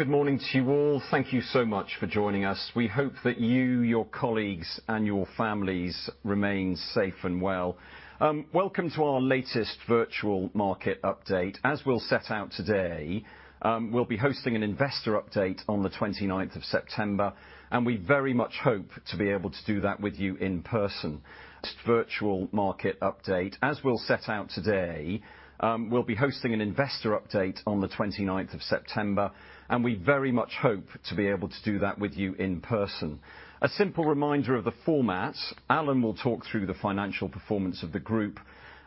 Good morning to you all. Thank you so much for joining us. We hope that you, your colleagues, and your families remain safe and well. Welcome to our latest virtual market update. As we'll set out today, we'll be hosting an investor update on the 29th of September, and we very much hope to be able to do that with you in person. Virtual market update. As we'll set out today, we'll be hosting an investor update on the 29th of September, and we very much hope to be able to do that with you in person. A simple reminder of the format, Alan will talk through the financial performance of the group,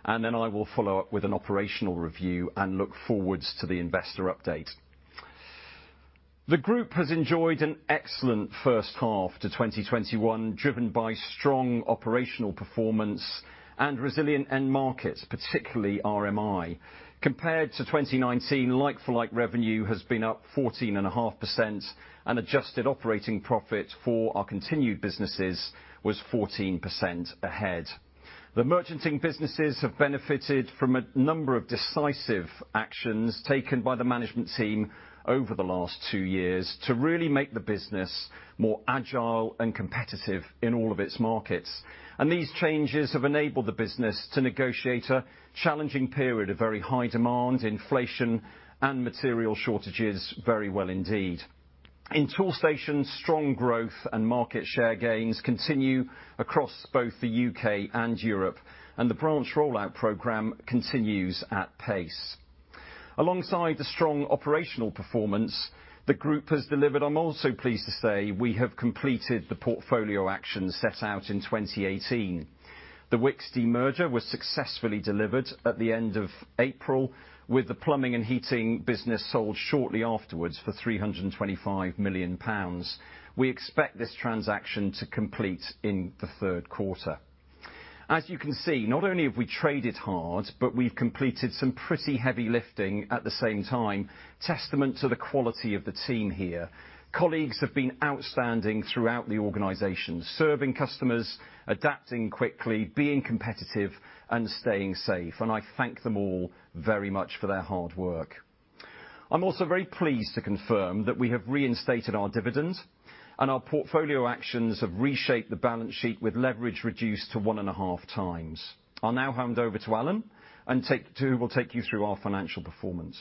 and then I will follow up with an operational review and look forwards to the investor update. The group has enjoyed an excellent first half to 2021, driven by strong operational performance and resilient end markets, particularly RMI. Compared to 2019, like-for-like revenue has been up 14.5%, and adjusted operating profit for our continued businesses was 14% ahead. The merchanting businesses have benefited from a number of decisive actions taken by the management team over the last two years to really make the business more agile and competitive in all of its markets. These changes have enabled the business to negotiate a challenging period of very high demand, inflation, and material shortages very well indeed. In Toolstation, strong growth and market share gains continue across both the U.K. and Europe, and the branch rollout program continues at pace. Alongside the strong operational performance the group has delivered, I'm also pleased to say we have completed the portfolio action set out in 2018. The Wickes demerger was successfully delivered at the end of April with the plumbing and heating business sold shortly afterwards for 325 million pounds. We expect this transaction to complete in the third quarter. As you can see, not only have we traded hard, but we've completed some pretty heavy lifting at the same time, testament to the quality of the team here. Colleagues have been outstanding throughout the organization, serving customers, adapting quickly, being competitive, and staying safe, and I thank them all very much for their hard work. I'm also very pleased to confirm that we have reinstated our dividend, and our portfolio actions have reshaped the balance sheet with leverage reduced to 1.5x. I'll now hand over to Alan, and who will take you through our financial performance.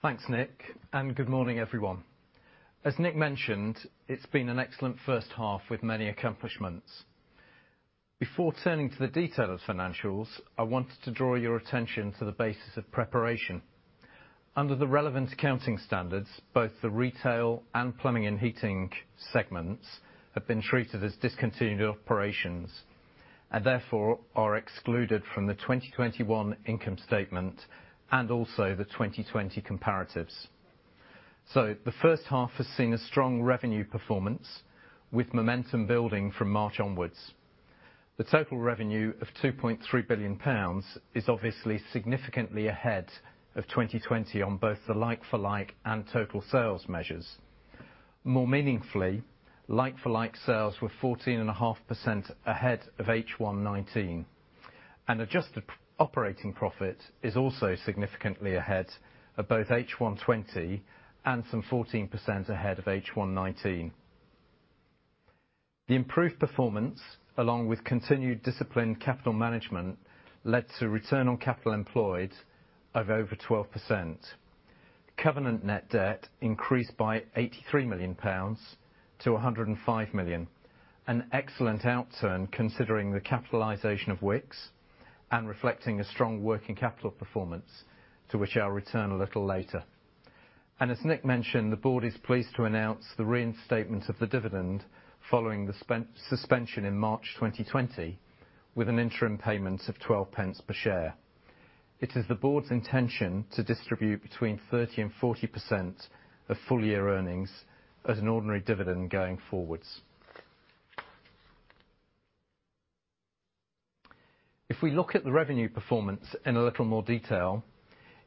Thanks, Nick, and good morning, everyone. As Nick mentioned, it's been an excellent first half with many accomplishments. Before turning to the detail of financials, I wanted to draw your attention to the basis of preparation. Under the relevant accounting standards, both the retail and plumbing and heating segments have been treated as discontinued operations, and therefore are excluded from the 2021 income statement and also the 2020 comparatives. The first half has seen a strong revenue performance with momentum building from March onwards. The total revenue of 2.3 billion pounds is obviously significantly ahead of 2020 on both the like-for-like and total sales measures. More meaningfully, like-for-like sales were 14.5% ahead of H1 2019, and adjusted operating profit is also significantly ahead of both H1 20 and some 14% ahead of H1 2019. The improved performance, along with continued disciplined capital management, led to return on capital employed of over 12%. Covenant net debt increased by 83 million pounds to 105 million. An excellent outturn considering the capitalization of Wickes and reflecting a strong working capital performance to which I'll return a little later. As Nick mentioned, the board is pleased to announce the reinstatement of the dividend following the suspension in March 2020 with an interim payment of 0.12 per share. It is the board's intention to distribute between 30% and 40% of full year earnings as an ordinary dividend going forwards. If we look at the revenue performance in a little more detail,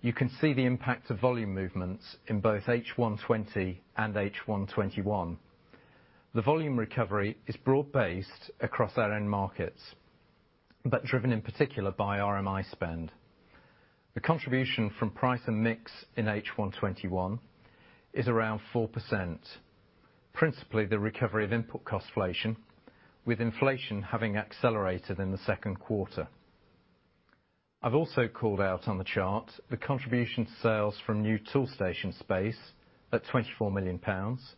you can see the impact of volume movements in both H1 2020 and H1 2021. The volume recovery is broad-based across our end markets, but driven in particular by RMI spend. The contribution from price and mix in H1 2021 is around 4%, principally the recovery of input cost inflation, with inflation having accelerated in the second quarter. I've also called out on the chart the contribution sales from new Toolstation space at 24 million pounds,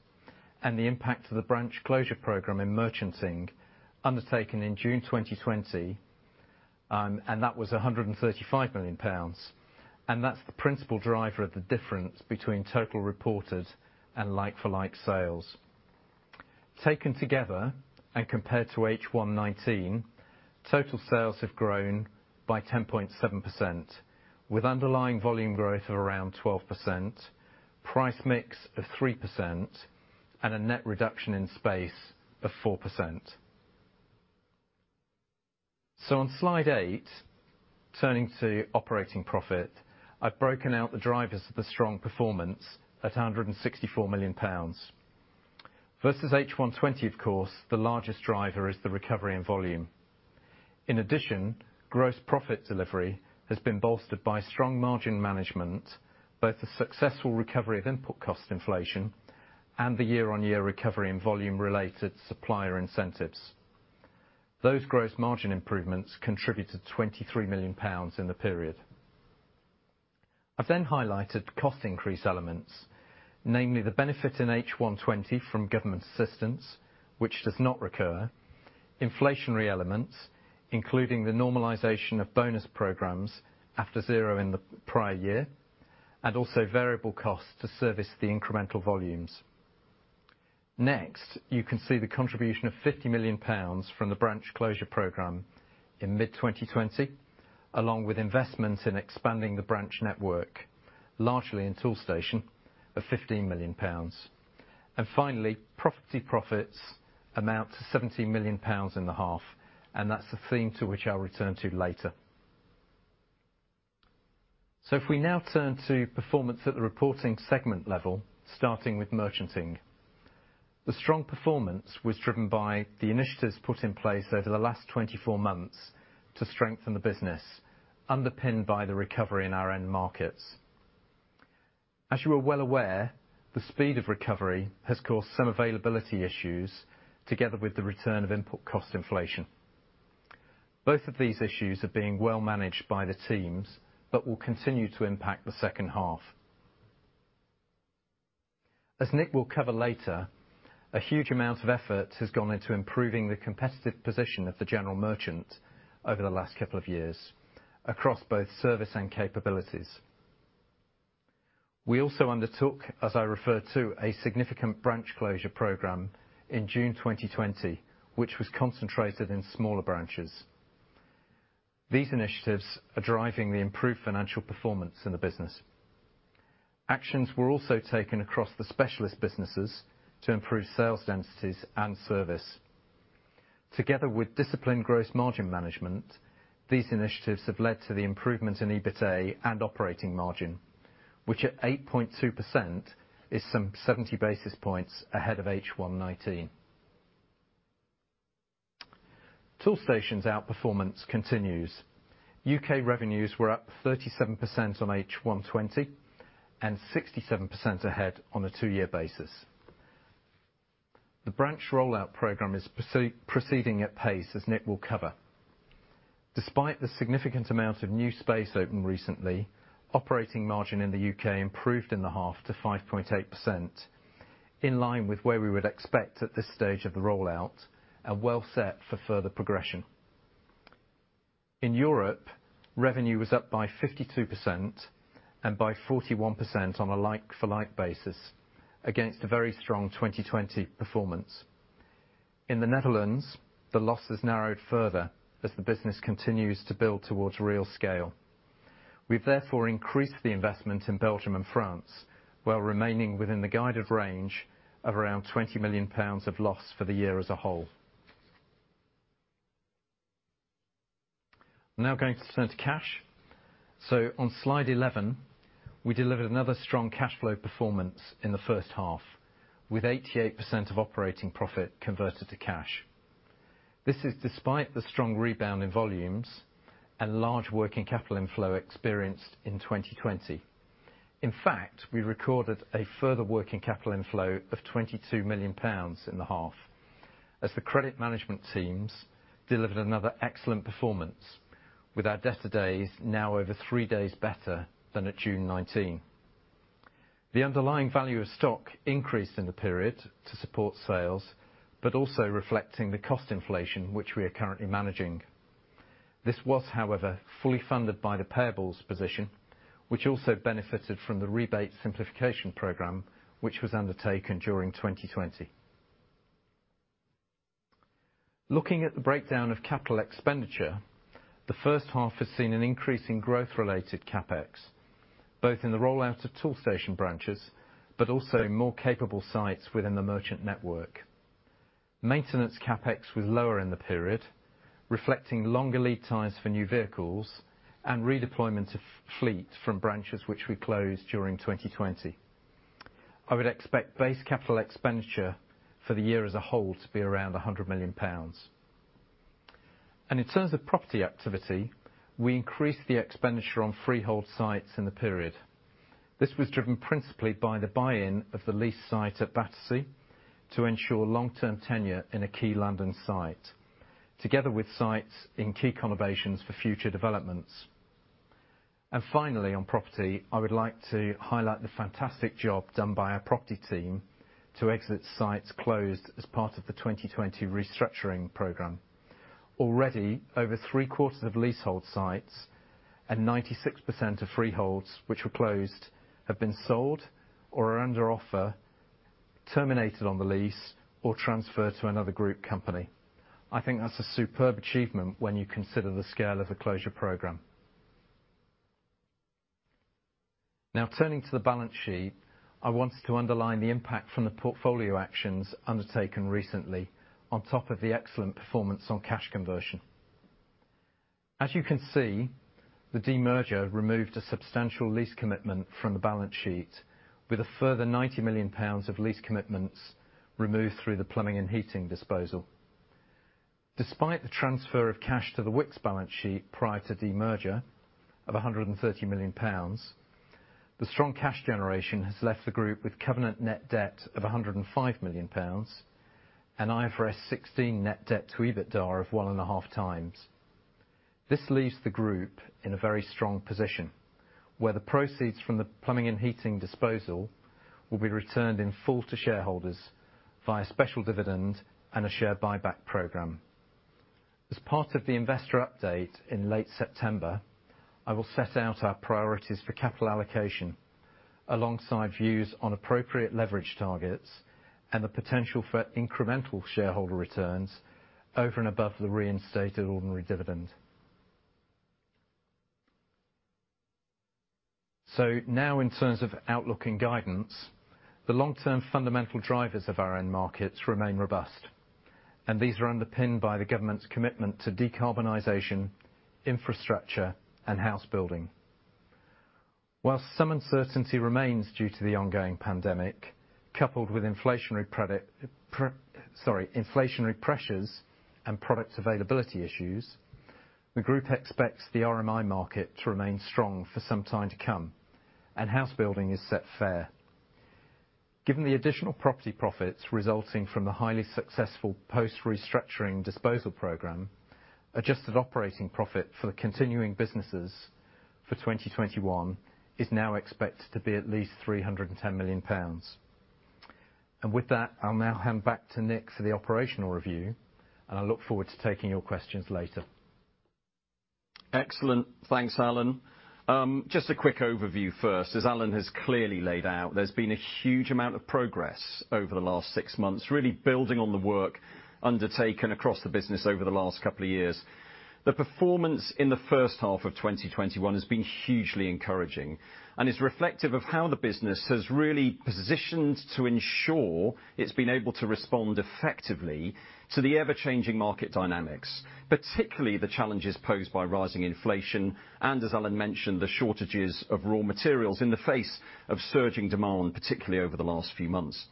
the impact of the branch closure program in merchanting undertaken in June 2020. That was 135 million pounds. That's the principal driver of the difference between total reported and like-for-like sales. Taken together and compared to H1 2019, total sales have grown by 10.7% with underlying volume growth of around 12%, price mix of 3%, and a net reduction in space of 4%. On slide eight, turning to operating profit, I've broken out the drivers of the strong performance at 164 million pounds. Versus H1 2020, of course, the largest driver is the recovery in volume. Gross profit delivery has been bolstered by strong margin management, both the successful recovery of input cost inflation and the year-on-year recovery in volume-related supplier incentives. Those gross margin improvements contributed 23 million pounds in the period. I've highlighted cost increase elements, namely the benefit in H1 2020 from government assistance, which does not recur, inflationary elements, including the normalization of bonus programs after zero in the prior year, and also variable costs to service the incremental volumes. You can see the contribution of 50 million pounds from the branch closure program in mid-2020, along with investments in expanding the branch network, largely in Toolstation, of 15 million pounds. Finally, property profits amount to 17 million pounds in the half, and that's the theme to which I'll return to later. If we now turn to performance at the reporting segment level, starting with merchanting. The strong performance was driven by the initiatives put in place over the last 24 months to strengthen the business, underpinned by the recovery in our end markets. As you are well aware, the speed of recovery has caused some availability issues together with the return of input cost inflation. Both of these issues are being well managed by the teams but will continue to impact the second half. As Nick will cover later, a huge amount of effort has gone into improving the competitive position of the general merchant over the last couple of years across both service and capabilities. We also undertook, as I referred to, a significant branch closure program in June 2020, which was concentrated in smaller branches. These initiatives are driving the improved financial performance in the business. Actions were also taken across the specialist businesses to improve sales densities and service. Together with disciplined gross margin management, these initiatives have led to the improvement in EBITA and operating margin, which at 8.2% is some 70 basis points ahead of H1 2019. Toolstation's outperformance continues. U.K. revenues were up 37% on H1 2020 and 67% ahead on a two-year basis. The branch rollout program is proceeding at pace, as Nick will cover. Despite the significant amount of new space opened recently, operating margin in the U.K. improved in the half to 5.8%, in line with where we would expect at this stage of the rollout and well set for further progression. In Europe, revenue was up by 52% and by 41% on a like-for-like basis against a very strong 2020 performance. In the Netherlands, the loss has narrowed further as the business continues to build towards real scale. We’ve therefore increased the investment in Belgium and France, while remaining within the guided range of around 20 million pounds of loss for the year as a whole. Going to turn to cash. On slide 11, we delivered another strong cash flow performance in the first half, with 88% of operating profit converted to cash. This is despite the strong rebound in volumes and large working capital inflow experienced in 2020. In fact, we recorded a further working capital inflow of 22 million pounds in the half as the credit management teams delivered another excellent performance with our debtor days now over three days better than at June 2019. The underlying value of stock increased in the period to support sales, but also reflecting the cost inflation which we are currently managing. This was, however, fully funded by the payables position, which also benefited from the rebate simplification program, which was undertaken during 2020. Looking at the breakdown of capital expenditure, the first half has seen an increase in growth-related CapEx, both in the rollout of Toolstation branches, but also more capable sites within the merchant network. Maintenance CapEx was lower in the period, reflecting longer lead times for new vehicles and redeployment of fleet from branches which we closed during 2020. I would expect base capital expenditure for the year as a whole to be around 100 million pounds. In terms of property activity, we increased the expenditure on freehold sites in the period. This was driven principally by the buy-in of the lease site at Battersea to ensure long-term tenure in a key London site, together with sites in key conurbations for future developments. Finally on property, I would like to highlight the fantastic job done by our property team to exit sites closed as part of the 2020 restructuring program. Already, over three-quarters of leasehold sites and 96% of freeholds which were closed have been sold or are under offer, terminated on the lease or transferred to another group company. I think that's a superb achievement when you consider the scale of the closure program. Turning to the balance sheet, I wanted to underline the impact from the portfolio actions undertaken recently on top of the excellent performance on cash conversion. As you can see, the demerger removed a substantial lease commitment from the balance sheet with a further 90 million pounds of lease commitments removed through the plumbing and heating disposal. Despite the transfer of cash to the Wickes balance sheet prior to demerger of 130 million pounds, the strong cash generation has left the group with covenant net debt of 105 million pounds and IFRS 16 net debt to EBITDA of one and a half times. This leaves the group in a very strong position, where the proceeds from the plumbing and heating disposal will be returned in full to shareholders via special dividend and a share buyback program. As part of the investor update in late September, I will set out our priorities for capital allocation alongside views on appropriate leverage targets and the potential for incremental shareholder returns over and above the reinstated ordinary dividend. In terms of outlook and guidance, the long-term fundamental drivers of our end markets remain robust, and these are underpinned by the government's commitment to decarbonization, infrastructure, and house building. While some uncertainty remains due to the ongoing pandemic, coupled with inflationary pressures and product availability issues, the group expects the RMI market to remain strong for some time to come, and house building is set fair. Given the additional property profits resulting from the highly successful post-restructuring disposal program, adjusted operating profit for the continuing businesses for 2021 is now expected to be at least 310 million pounds. With that, I'll now hand back to Nick for the operational review, and I look forward to taking your questions later. Excellent. Thanks, Alan. Just a quick overview first. As Alan has clearly laid out, there's been a huge amount of progress over the last six months, really building on the work undertaken across the business over the last couple of years. The performance in the first half of 2021 has been hugely encouraging and is reflective of how the business has really positioned to ensure it's been able to respond effectively to the ever-changing market dynamics, particularly the challenges posed by rising inflation and, as Alan mentioned, the shortages of raw materials in the face of surging demand, particularly over the last few months.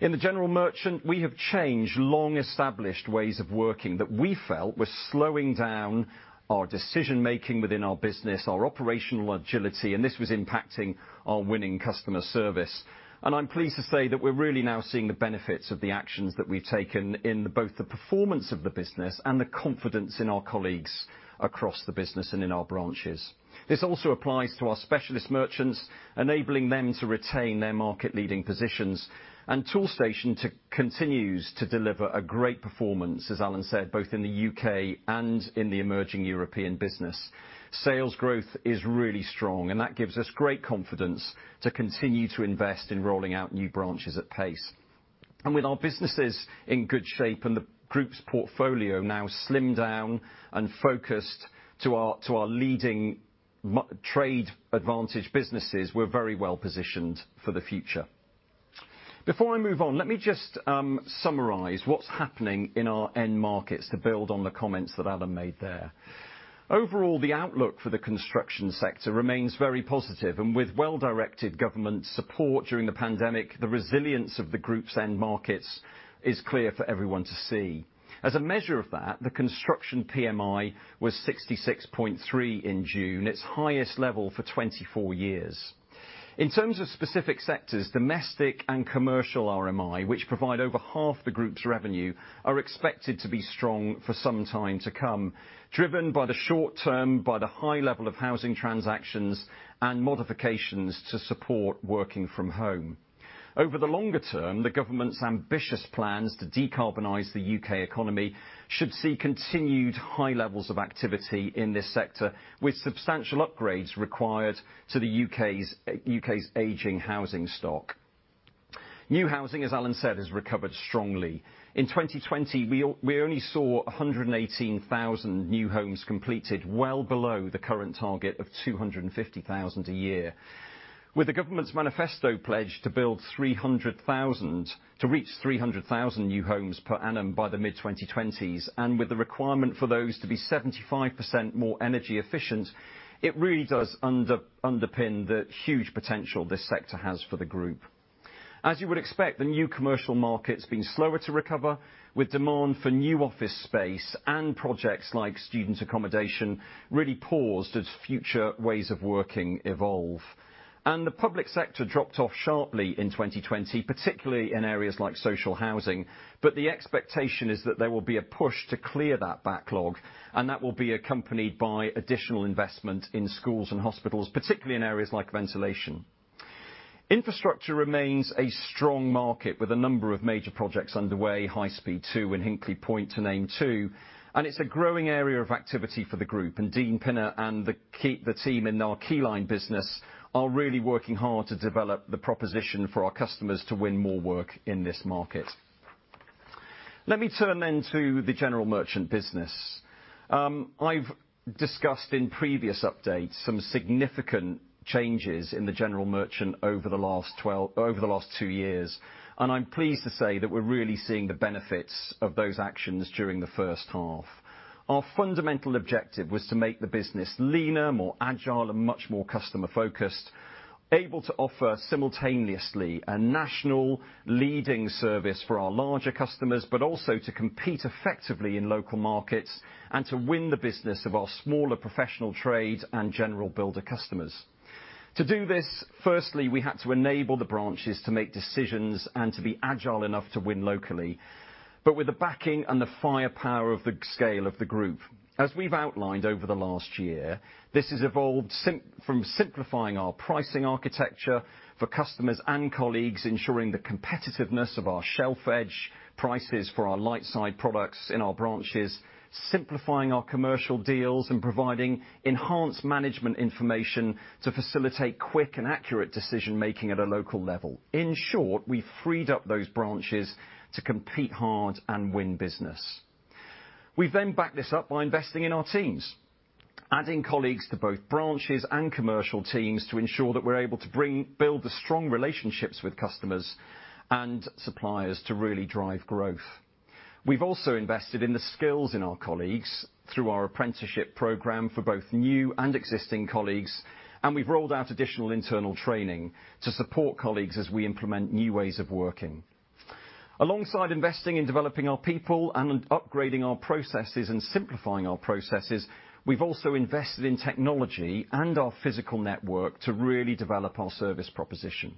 In the General Merchant, we have changed long-established ways of working that we felt were slowing down our decision-making within our business, our operational agility, and this was impacting our winning customer service. I'm pleased to say that we're really now seeing the benefits of the actions that we've taken in both the performance of the business and the confidence in our colleagues across the business and in our branches. This also applies to our specialist merchants, enabling them to retain their market-leading positions and Toolstation continues to deliver a great performance, as Alan said, both in the U.K. and in the emerging European business. Sales growth is really strong, and that gives us great confidence to continue to invest in rolling out new branches at pace. With our businesses in good shape and the group's portfolio now slimmed down and focused to our leading trade advantage businesses, we're very well positioned for the future. Before I move on, let me just summarize what's happening in our end markets to build on the comments that Alan made there. Overall, the outlook for the construction sector remains very positive, and with well-directed government support during the pandemic, the resilience of the group's end markets is clear for everyone to see. As a measure of that, the construction PMI was 66.3 in June, its highest level for 24 years. In terms of specific sectors, domestic and commercial RMI, which provide over half the group's revenue, are expected to be strong for some time to come, driven by the short term, by the high level of housing transactions and modifications to support working from home. Over the longer term, the government's ambitious plans to decarbonize the U.K. economy should see continued high levels of activity in this sector, with substantial upgrades required to the U.K.'s aging housing stock. New housing, as Alan said, has recovered strongly. In 2020, we only saw 118,000 new homes completed, well below the current target of 250,000 a year. With the government's manifesto pledge to reach 300,000 new homes per annum by the mid-2020s, and with the requirement for those to be 75% more energy efficient, it really does underpin the huge potential this sector has for the group. The new commercial market's been slower to recover, with demand for new office space and projects like student accommodation really paused as future ways of working evolve. The public sector dropped off sharply in 2020, particularly in areas like social housing. The expectation is that there will be a push to clear that backlog, and that will be accompanied by additional investment in schools and hospitals, particularly in areas like ventilation. Infrastructure remains a strong market with a number of major projects underway, High Speed 2 and Hinkley Point to name two, and it's a growing area of activity for the group. Dean Pinner and the team in our Keyline business are really working hard to develop the proposition for our customers to win more work in this market. Let me turn then to the General Merchant business. I've discussed in previous updates some significant changes in the General Merchant over the last two years, and I'm pleased to say that we're really seeing the benefits of those actions during the first half. Our fundamental objective was to make the business leaner, more agile, and much more customer focused, able to offer simultaneously a national leading service for our larger customers, but also to compete effectively in local markets and to win the business of our smaller professional trade and general builder customers. To do this, firstly, we had to enable the branches to make decisions and to be agile enough to win locally, but with the backing and the firepower of the scale of the group. As we've outlined over the last year, this has evolved from simplifying our pricing architecture for customers and colleagues, ensuring the competitiveness of our shelf edge prices for our light side products in our branches, simplifying our commercial deals, and providing enhanced management information to facilitate quick and accurate decision-making at a local level. In short, we freed up those branches to compete hard and win business. We've backed this up by investing in our teams, adding colleagues to both branches and commercial teams to ensure that we're able to build the strong relationships with customers and suppliers to really drive growth. We've also invested in the skills in our colleagues through our apprenticeship program for both new and existing colleagues, and we've rolled out additional internal training to support colleagues as we implement new ways of working. Alongside investing in developing our people and upgrading our processes and simplifying our processes, we've also invested in technology and our physical network to really develop our service proposition.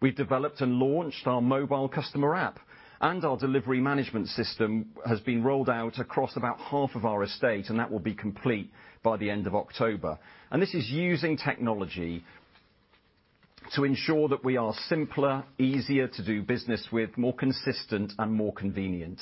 We've developed and launched our mobile customer app. Our delivery management system has been rolled out across about half of our estate, and that will be complete by the end of October. This is using technology to ensure that we are simpler, easier to do business with, more consistent and more convenient.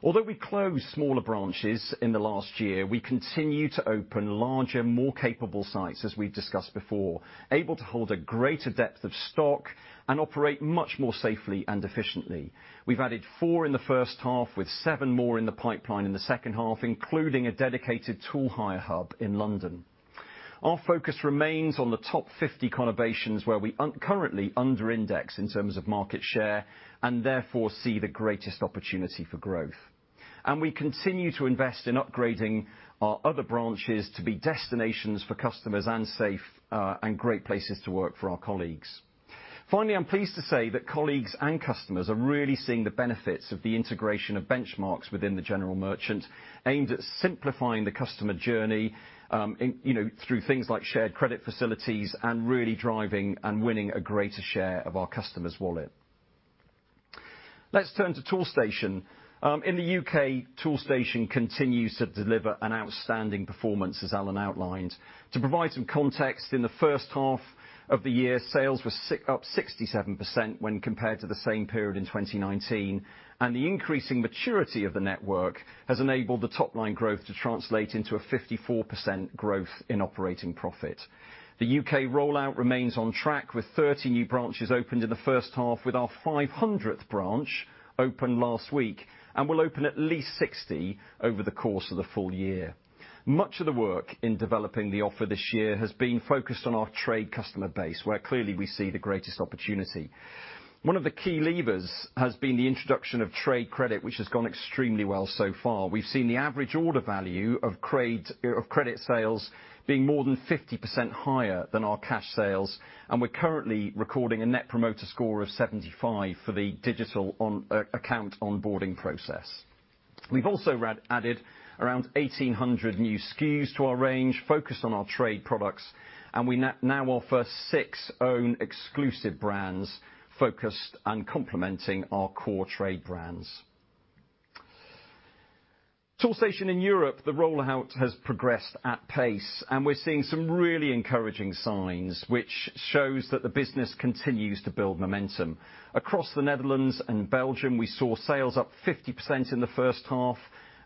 Although we closed smaller branches in the last year, we continue to open larger, more capable sites, as we've discussed before, able to hold a greater depth of stock and operate much more safely and efficiently. We've added four in the first half with seven more in the pipeline in the second half, including a dedicated tool hire hub in London. Our focus remains on the top 50 conurbations, where we currently under index in terms of market share and therefore see the greatest opportunity for growth. We continue to invest in upgrading our other branches to be destinations for customers and safe and great places to work for our colleagues. Finally, I'm pleased to say that colleagues and customers are really seeing the benefits of the integration of Benchmarx within the general merchant aimed at simplifying the customer journey through things like shared credit facilities and really driving and winning a greater share of our customers' wallet. Let's turn to Toolstation. In the U.K., Toolstation continues to deliver an outstanding performance, as Alan outlined. To provide some context, in the first half of the year, sales were up 67% when compared to the same period in 2019. The increasing maturity of the network has enabled the top line growth to translate into a 54% growth in operating profit. The U.K. rollout remains on track with 30 new branches opened in the first half, with our 500th branch opened last week. We'll open at least 60 over the course of the full year. Much of the work in developing the offer this year has been focused on our trade customer base, where clearly we see the greatest opportunity. One of the key levers has been the introduction of trade credit, which has gone extremely well so far. We've seen the average order value of credit sales being more than 50% higher than our cash sales, and we're currently recording a Net Promoter Score of 75 for the digital account onboarding process. We've also added around 1,800 new SKUs to our range focused on our trade products, and we now offer six own exclusive brands focused on complementing our core trade brands. Toolstation in Europe, the rollout has progressed at pace, and we're seeing some really encouraging signs which shows that the business continues to build momentum. Across the Netherlands and Belgium, we saw sales up 50% in the first half,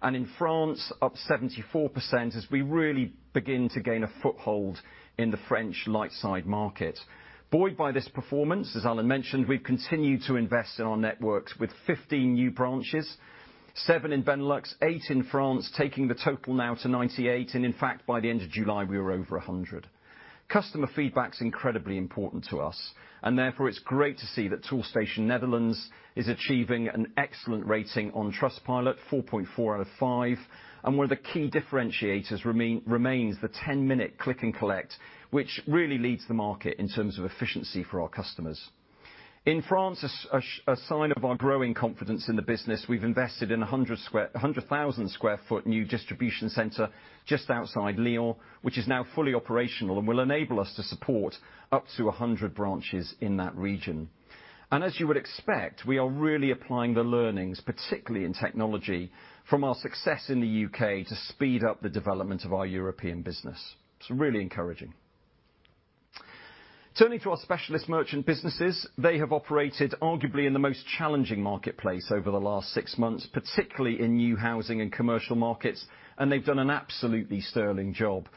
and in France up 74% as we really begin to gain a foothold in the French light side market. Buoyed by this performance, as Alan mentioned, we've continued to invest in our networks with 15 new branches, seven in Benelux, eight in France, taking the total now to 98. In fact, by the end of July, we were over 100. Customer feedback is incredibly important to us, and therefore it's great to see that Toolstation Netherlands is achieving an excellent rating on Trustpilot, 4.4 out of five, and one of the key differentiators remains the 10-minute click and collect, which really leads the market in terms of efficiency for our customers. In France, a sign of our growing confidence in the business, we've invested in 100,000 square foot new distribution center just outside Lyon, which is now fully operational and will enable us to support up to 100 branches in that region. As you would expect, we are really applying the learnings, particularly in technology from our success in the U.K. to speed up the development of our European business. It's really encouraging. Turning to our specialist merchant businesses, they have operated arguably in the most challenging marketplace over the last six months, particularly in new housing and commercial markets, and they've done an absolutely sterling job.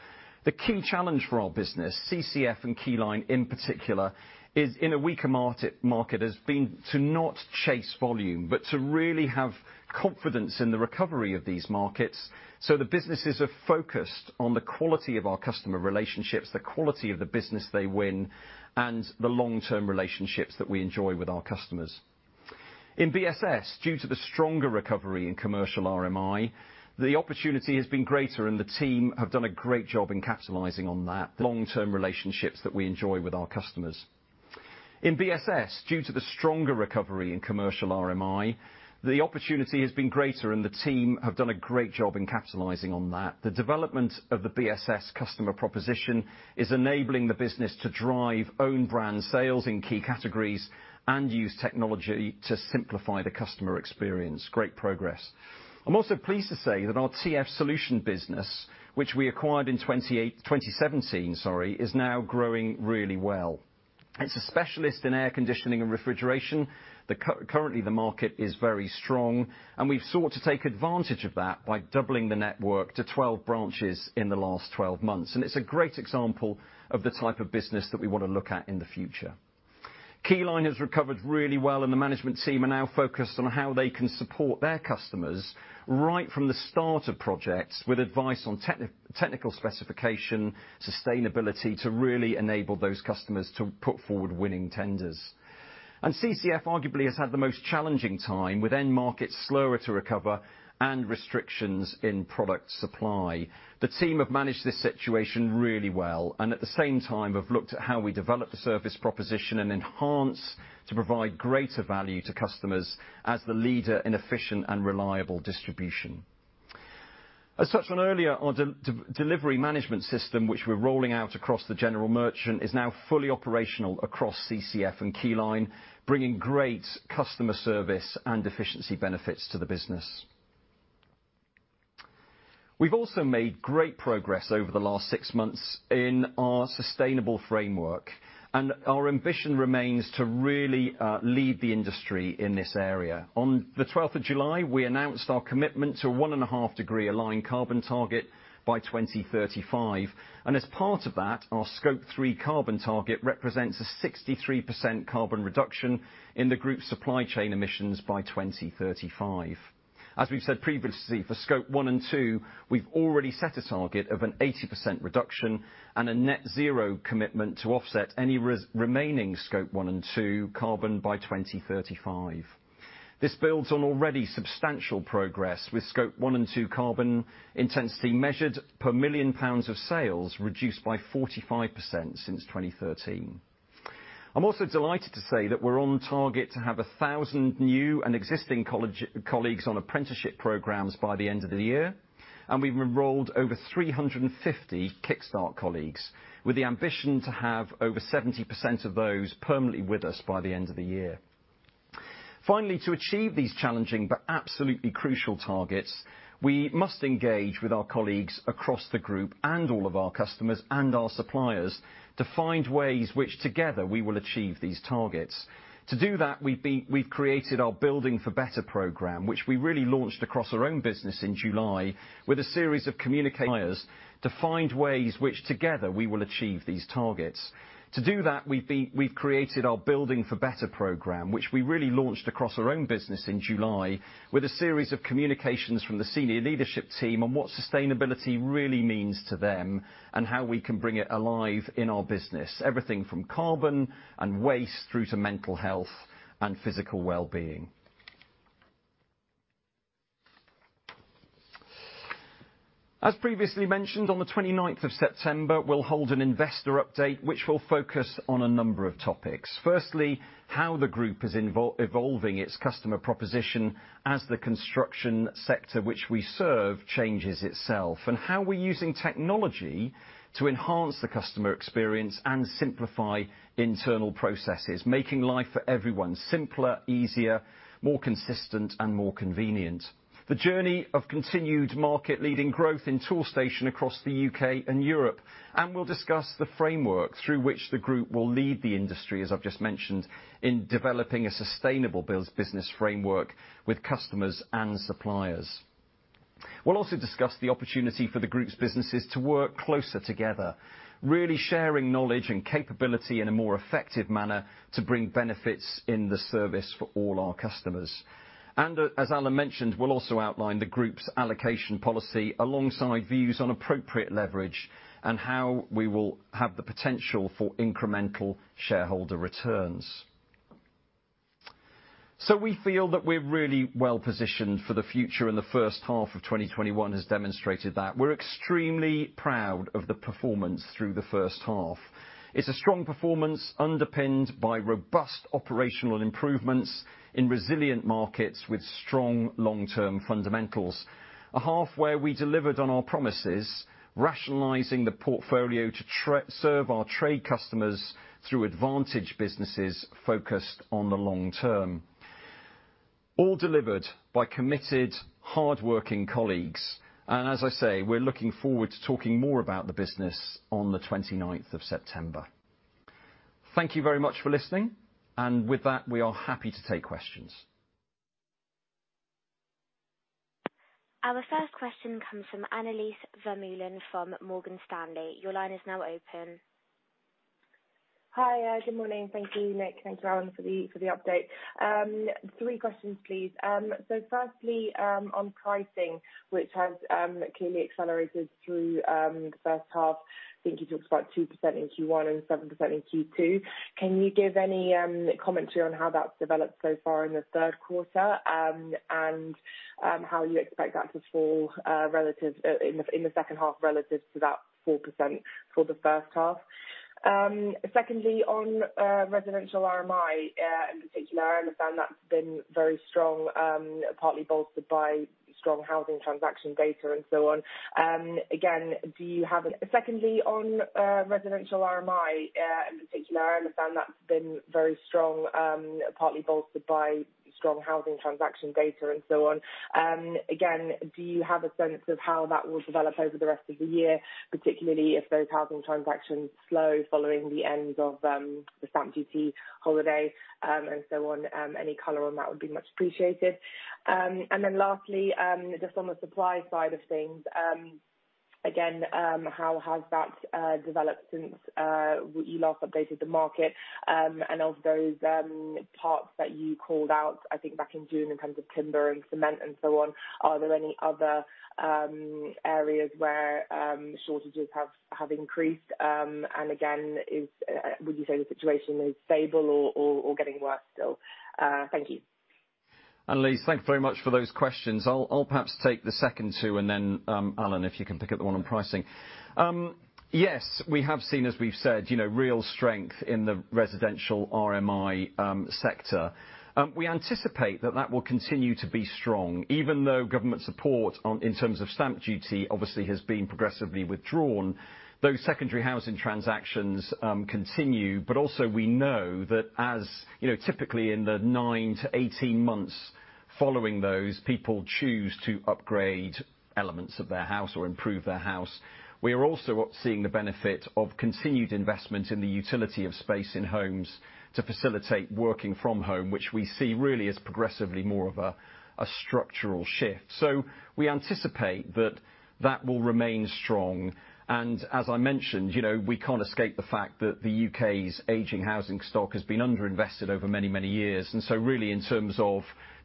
The key challenge for our business, CCF and Keyline in particular, is in a weaker market, has been to not chase volume, but to really have confidence in the recovery of these markets so the businesses are focused on the quality of our customer relationships, the quality of the business they win, and the long-term relationships that we enjoy with our customers. In BSS, due to the stronger recovery in commercial RMI, the opportunity has been greater and the team have done a great job in capitalizing on that. The long-term relationships that we enjoy with our customers. In BSS, due to the stronger recovery in commercial RMI, the opportunity has been greater and the team have done a great job in capitalizing on that. The development of the BSS customer proposition is enabling the business to drive own brand sales in key categories and use technology to simplify the customer experience. Great progress. I'm also pleased to say that our TF Solutions business, which we acquired in 2017, is now growing really well. It's a specialist in air conditioning and refrigeration. Currently, the market is very strong, and we've sought to take advantage of that by doubling the network to 12 branches in the last 12 months. It's a great example of the type of business that we want to look at in the future. Keyline has recovered really well, and the management team are now focused on how they can support their customers right from the start of projects with advice on technical specification, sustainability, to really enable those customers to put forward winning tenders. CCF arguably has had the most challenging time, with end markets slower to recover and restrictions in product supply. The team have managed this situation really well and at the same time have looked at how we develop the service proposition and enhance to provide greater value to customers as the leader in efficient and reliable distribution. I touched on earlier, our delivery management system, which we're rolling out across the general merchant, is now fully operational across CCF and Keyline, bringing great customer service and efficiency benefits to the business. We've also made great progress over the last six months in our sustainable framework, and our ambition remains to really lead the industry in this area. On the 12th of July, we announced our commitment to 1.5 degree aligned carbon target by 2035. As part of that, our Scope 3 carbon target represents a 63% carbon reduction in the group's supply chain emissions by 2035. As we've said previously, for Scope 1 and 2, we've already set a target of an 80% reduction and a net zero commitment to offset any remaining Scope 1 and 2 carbon by 2035. This builds on already substantial progress with Scope 1 and 2 carbon intensity measured per million pounds of sales reduced by 45% since 2013. I'm also delighted to say that we're on target to have 1,000 new and existing colleagues on apprenticeship programs by the end of the year, and we've enrolled over 350 Kickstart colleagues with the ambition to have over 70% of those permanently with us by the end of the year. Finally, to achieve these challenging but absolutely crucial targets, we must engage with our colleagues across the group and all of our customers and our suppliers to find ways which together we will achieve these targets. To do that, we've created our Building for Better program, which we really launched across our own business in July with a series of communications from the senior leadership team on what sustainability really means to them and how we can bring it alive in our business. Everything from carbon and waste through to mental health and physical well-being. As previously mentioned, on the 29th of September, we'll hold an investor update which will focus on a number of topics. Firstly, how the group is evolving its customer proposition as the construction sector which we serve changes itself, and how we're using technology to enhance the customer experience and simplify internal processes, making life for everyone simpler, easier, more consistent, and more convenient. The journey of continued market leading growth in Toolstation across the U.K. and Europe, and we'll discuss the framework through which the group will lead the industry, as I've just mentioned, in developing a sustainable business framework with customers and suppliers. We'll also discuss the opportunity for the group's businesses to work closer together, really sharing knowledge and capability in a more effective manner to bring benefits in the service for all our customers. As Alan mentioned, we'll also outline the group's allocation policy alongside views on appropriate leverage and how we will have the potential for incremental shareholder returns. We feel that we're really well positioned for the future, and the first half of 2021 has demonstrated that. We're extremely proud of the performance through the first half. It's a strong performance underpinned by robust operational improvements in resilient markets with strong long-term fundamentals. A half where we delivered on our promises, rationalizing the portfolio to serve our trade customers through advantage businesses focused on the long term. All delivered by committed, hardworking colleagues. As I say, we're looking forward to talking more about the business on the 29th of September. Thank you very much for listening, and with that, we are happy to take questions. Our first question comes from Annelies Vermeulen from Morgan Stanley. Your line is now open. Hi, good morning. Thank you, Nick. Thank you, Alan, for the update. Three questions, please. Firstly, on pricing, which has clearly accelerated through the first half. I think you talked about 2% in Q1 and 7% in Q2. Can you give any commentary on how that's developed so far in the third quarter? How you expect that to fall in the second half relative to that 4% for the first half. Secondly, on residential RMI, in particular, I understand that's been very strong, partly bolstered by strong housing transaction data and so on. Again, do you have a sense of how that will develop over the rest of the year, particularly if those housing transactions slow following the end of the stamp duty holiday, and so on. Any color on that would be much appreciated. Lastly, just on the supply side of things. How has that developed since you last updated the market? Of those parts that you called out, I think back in June in terms of timber and cement and so on, are there any other areas where shortages have increased? Would you say the situation is stable or getting worse still? Thank you. Annelies, thank you very much for those questions. I'll perhaps take the second two and then, Alan, if you can pick up the one on pricing. Yes, we have seen, as we've said, real strength in the residential RMI sector. We anticipate that that will continue to be strong, even though government support in terms of stamp duty obviously has been progressively withdrawn. Those secondary housing transactions continue. Also we know that as typically in the nine to 18 months following those, people choose to upgrade elements of their house or improve their house. We are also seeing the benefit of continued investment in the utility of space in homes to facilitate working from home, which we see really as progressively more of a structural shift. We anticipate that that will remain strong. As I mentioned, we can't escape the fact that the U.K.'s aging housing stock has been under-invested over many years. Really in terms of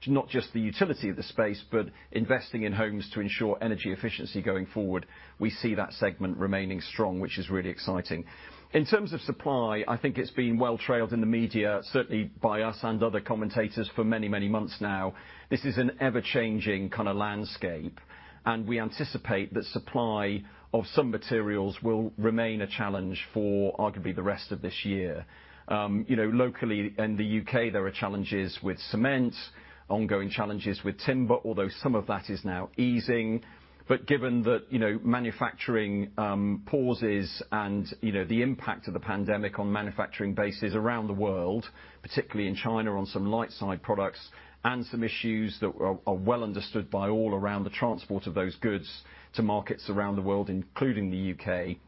not just the utility of the space, but investing in homes to ensure energy efficiency going forward, we see that segment remaining strong, which is really exciting. In terms of supply, I think it's been well trailed in the media, certainly by us and other commentators for many months now. This is an ever-changing kind of landscape, and we anticipate that supply of some materials will remain a challenge for arguably the rest of this year. Locally in the U.K., there are challenges with cement, ongoing challenges with timber, although some of that is now easing. Given that manufacturing pauses and the impact of the pandemic on manufacturing bases around the world, particularly in China on some light side products, and some issues that are well understood by all around the transport of those goods to markets around the world, including the U.K.,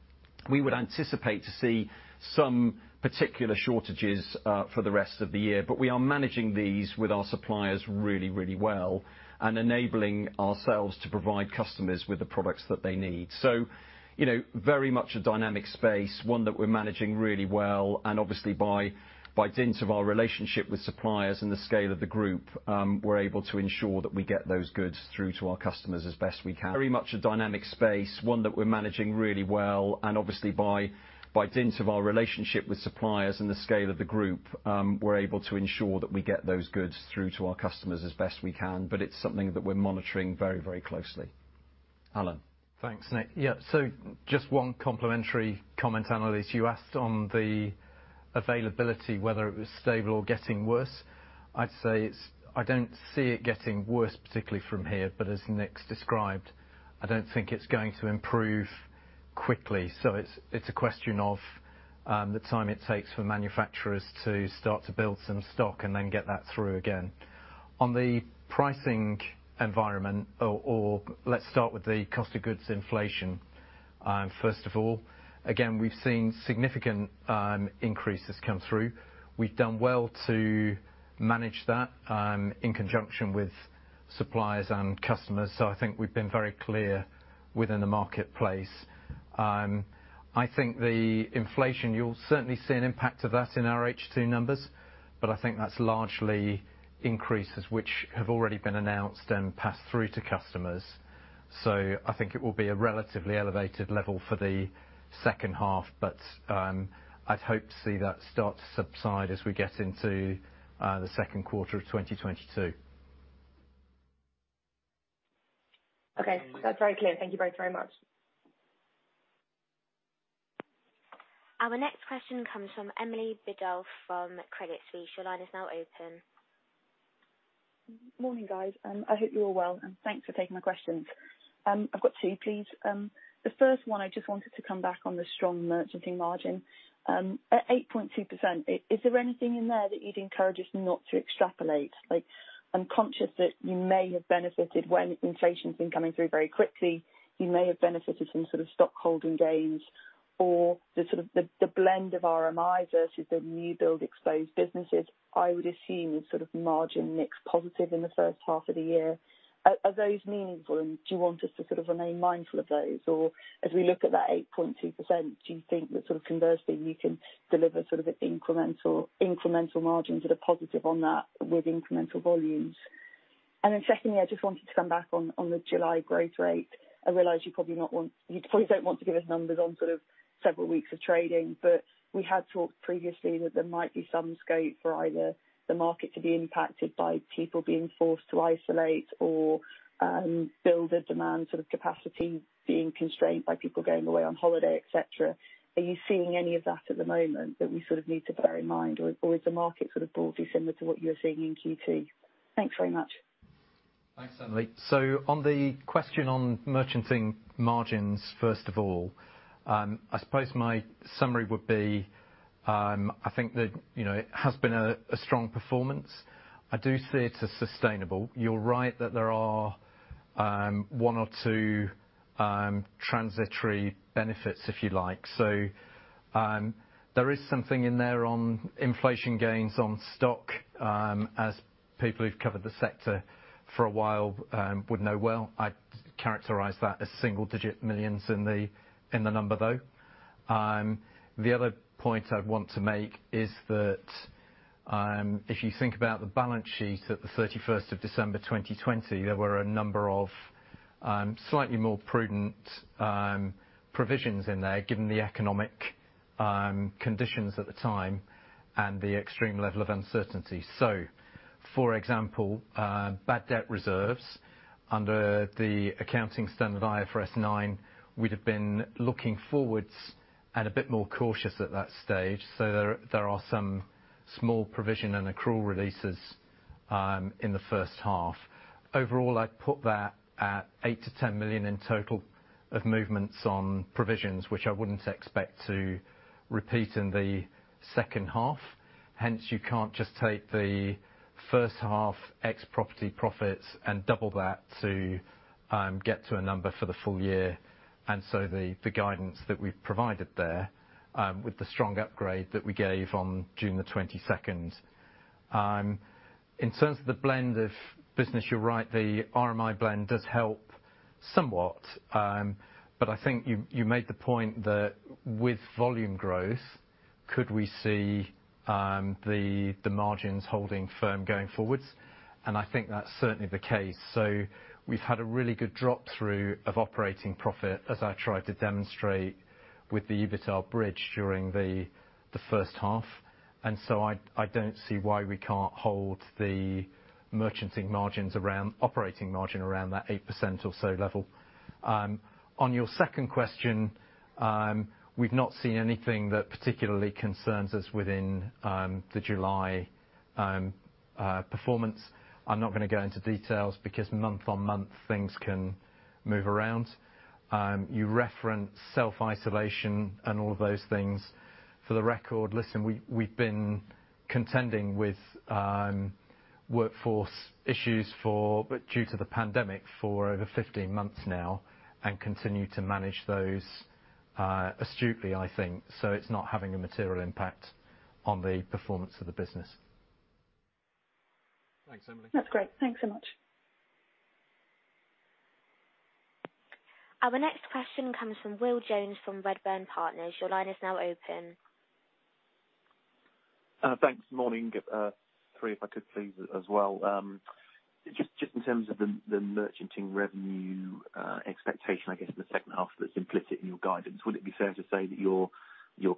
we would anticipate to see some particular shortages for the rest of the year. We are managing these with our suppliers really well and enabling ourselves to provide customers with the products that they need. Very much a dynamic space, one that we're managing really well, and obviously by dint of our relationship with suppliers and the scale of the group, we're able to ensure that we get those goods through to our customers as best we can. Very much a dynamic space, one that we're managing really well, and obviously by dint of our relationship with suppliers and the scale of the group, we're able to ensure that we get those goods through to our customers as best we can. It's something that we're monitoring very, very closely. Alan. Thanks, Nick. Yeah. Just one complimentary comment, Annelies. You asked on the availability, whether it was stable or getting worse. I'd say I don't see it getting worse, particularly from here, as Nick's described, I don't think it's going to improve quickly. It's a question of the time it takes for manufacturers to start to build some stock and then get that through again. On the pricing environment or let's start with the cost of goods inflation. First of all, again, we've seen significant increases come through. We've done well to manage that in conjunction with suppliers and customers. I think we've been very clear within the marketplace. I think the inflation, you'll certainly see an impact of that in our H2 numbers, I think that's largely increases, which have already been announced and passed through to customers. I think it will be a relatively elevated level for the second half, but I'd hope to see that start to subside as we get into the second quarter of 2022. Okay. That's very clear. Thank you both very much. Our next question comes from Emily Boadu from Credit Suisse. Morning, guys. I hope you're all well. Thanks for taking my questions. I've got two, please. The first one, I just wanted to come back on the strong merchanting margin. At 8.2%, is there anything in there that you'd encourage us not to extrapolate? I'm conscious that you may have benefited when inflation has been coming through very quickly. You may have benefited from sort of stockholding gains or the sort of the blend of RMIs versus the new build exposed businesses, I would assume sort of margin mix positive in the first half of the year. Are those meaningful and do you want us to sort of remain mindful of those? As we look at that 8.2%, do you think that sort of conversely you can deliver sort of incremental margin to the positive on that with incremental volumes? Secondly, I just wanted to come back on the July growth rate. I realize you probably don't want to give us numbers on several weeks of trading, but we had talked previously that there might be some scope for either the market to be impacted by people being forced to isolate or builder demand capacity being constrained by people going away on holiday, et cetera. Are you seeing any of that at the moment that we need to bear in mind, or is the market broadly similar to what you were seeing in Q2? Thanks very much. Thanks, Emily. On the question on merchanting margins, first of all, I suppose my summary would be, I think that it has been a strong performance. I do see it as sustainable. You're right that there are one or two transitory benefits, if you like. There is something in there on inflation gains on stock, as people who've covered the sector for a while would know well. I'd characterize that as single digit millions in the number, though. The other point I'd want to make is that, if you think about the balance sheet at the 31st of December 2020, there were a number of slightly more prudent provisions in there, given the economic conditions at the time and the extreme level of uncertainty. For example, bad debt reserves. Under the accounting standard, IFRS 9, we'd have been looking forwards and a bit more cautious at that stage. There are some small provision and accrual releases in the first half. Overall, I'd put that at 8 million-10 million in total of movements on provisions, which I wouldn't expect to repeat in the second half. Hence, you can't just take the first half ex property profits and double that to get to a number for the full year. The guidance that we've provided there, with the strong upgrade that we gave on June 22nd. In terms of the blend of business, you're right, the RMI blend does help somewhat. I think you made the point that with volume growth, could we see the margins holding firm going forwards? I think that's certainly the case. We've had a really good drop through of operating profit, as I tried to demonstrate with the EBITDA bridge during the first half. I don't see why we can't hold the merchanting margins around operating margin around that 8% or so level. On your second question, we've not seen anything that particularly concerns us within the July performance. I'm not going to go into details because month-on-month things can move around. You reference self-isolation and all of those things. For the record, listen, we've been contending with workforce issues due to the pandemic for over 15 months now and continue to manage those astutely, I think. It's not having a material impact on the performance of the business. Thanks, Emily. That's great. Thanks so much. Our next question comes from Will Jones from Redburn Partners. Your line is now open. Thanks. Morning. Three if I could please as well. Just in terms of the merchanting revenue expectation, I guess, in the second half that's implicit in your guidance, would it be fair to say that you're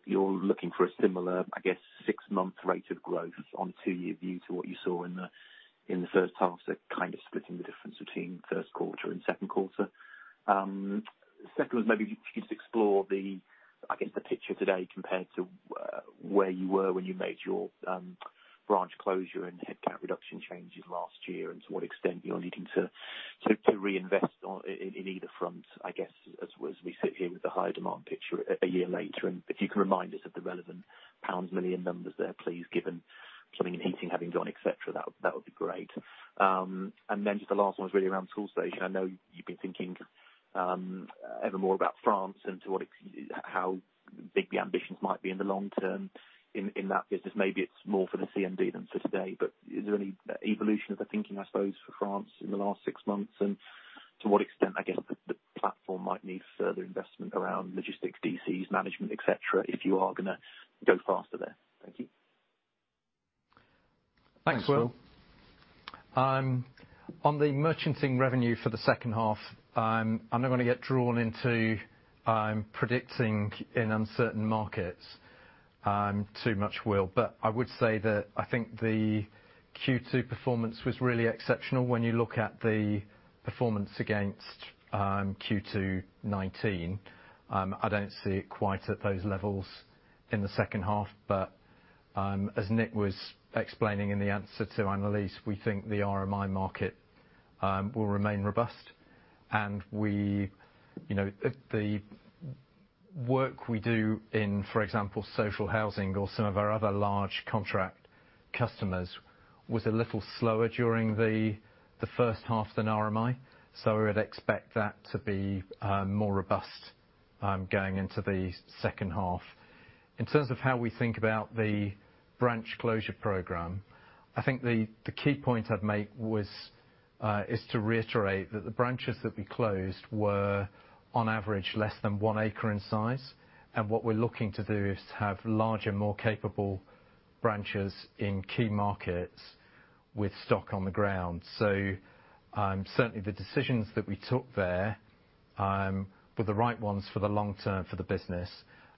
looking for a similar, I guess, six-month rate of growth on two-year view to what you saw in the first half? Kind of splitting the difference between first quarter and second quarter. Second was maybe if you could explore the, I guess, the picture today compared to where you were when you made your branch closure and headcount reduction changes last year and to what extent you're needing to reinvest in either front, I guess, as we sit here with the higher demand picture a year later. If you can remind us of the relevant pounds million numbers there, please, given plumbing and heating having gone, et cetera. That would be great. Just the last one was really around Toolstation. I know you've been thinking ever more about France and how big the ambitions might be in the long term in that business. Maybe it's more for the CMD than for today. Is there any evolution of the thinking, I suppose, for France in the last six months, and to what extent, I guess, the platform might need further investment around logistics, DCs, management, et cetera, if you are going to go faster there? Thank you. Thanks, Will. On the merchanting revenue for the second half, I'm not going to get drawn into predicting in uncertain markets too much, Will. I would say that I think the Q2 performance was really exceptional when you look at the performance against Q2 2019. I don't see it quite at those levels in the second half. As Nick was explaining in the answer to Annelies, we think the RMI market will remain robust. The work we do in, for example, social housing or some of our other large contract customers was a little slower during the first half than RMI. We would expect that to be more robust going into the second half. In terms of how we think about the branch closure program, I think the key point I'd make is to reiterate that the branches that we closed were on average less than one acre in size. What we're looking to do is have larger, more capable branches in key markets with stock on the ground. Certainly the decisions that we took there. The right ones for the long term for the business.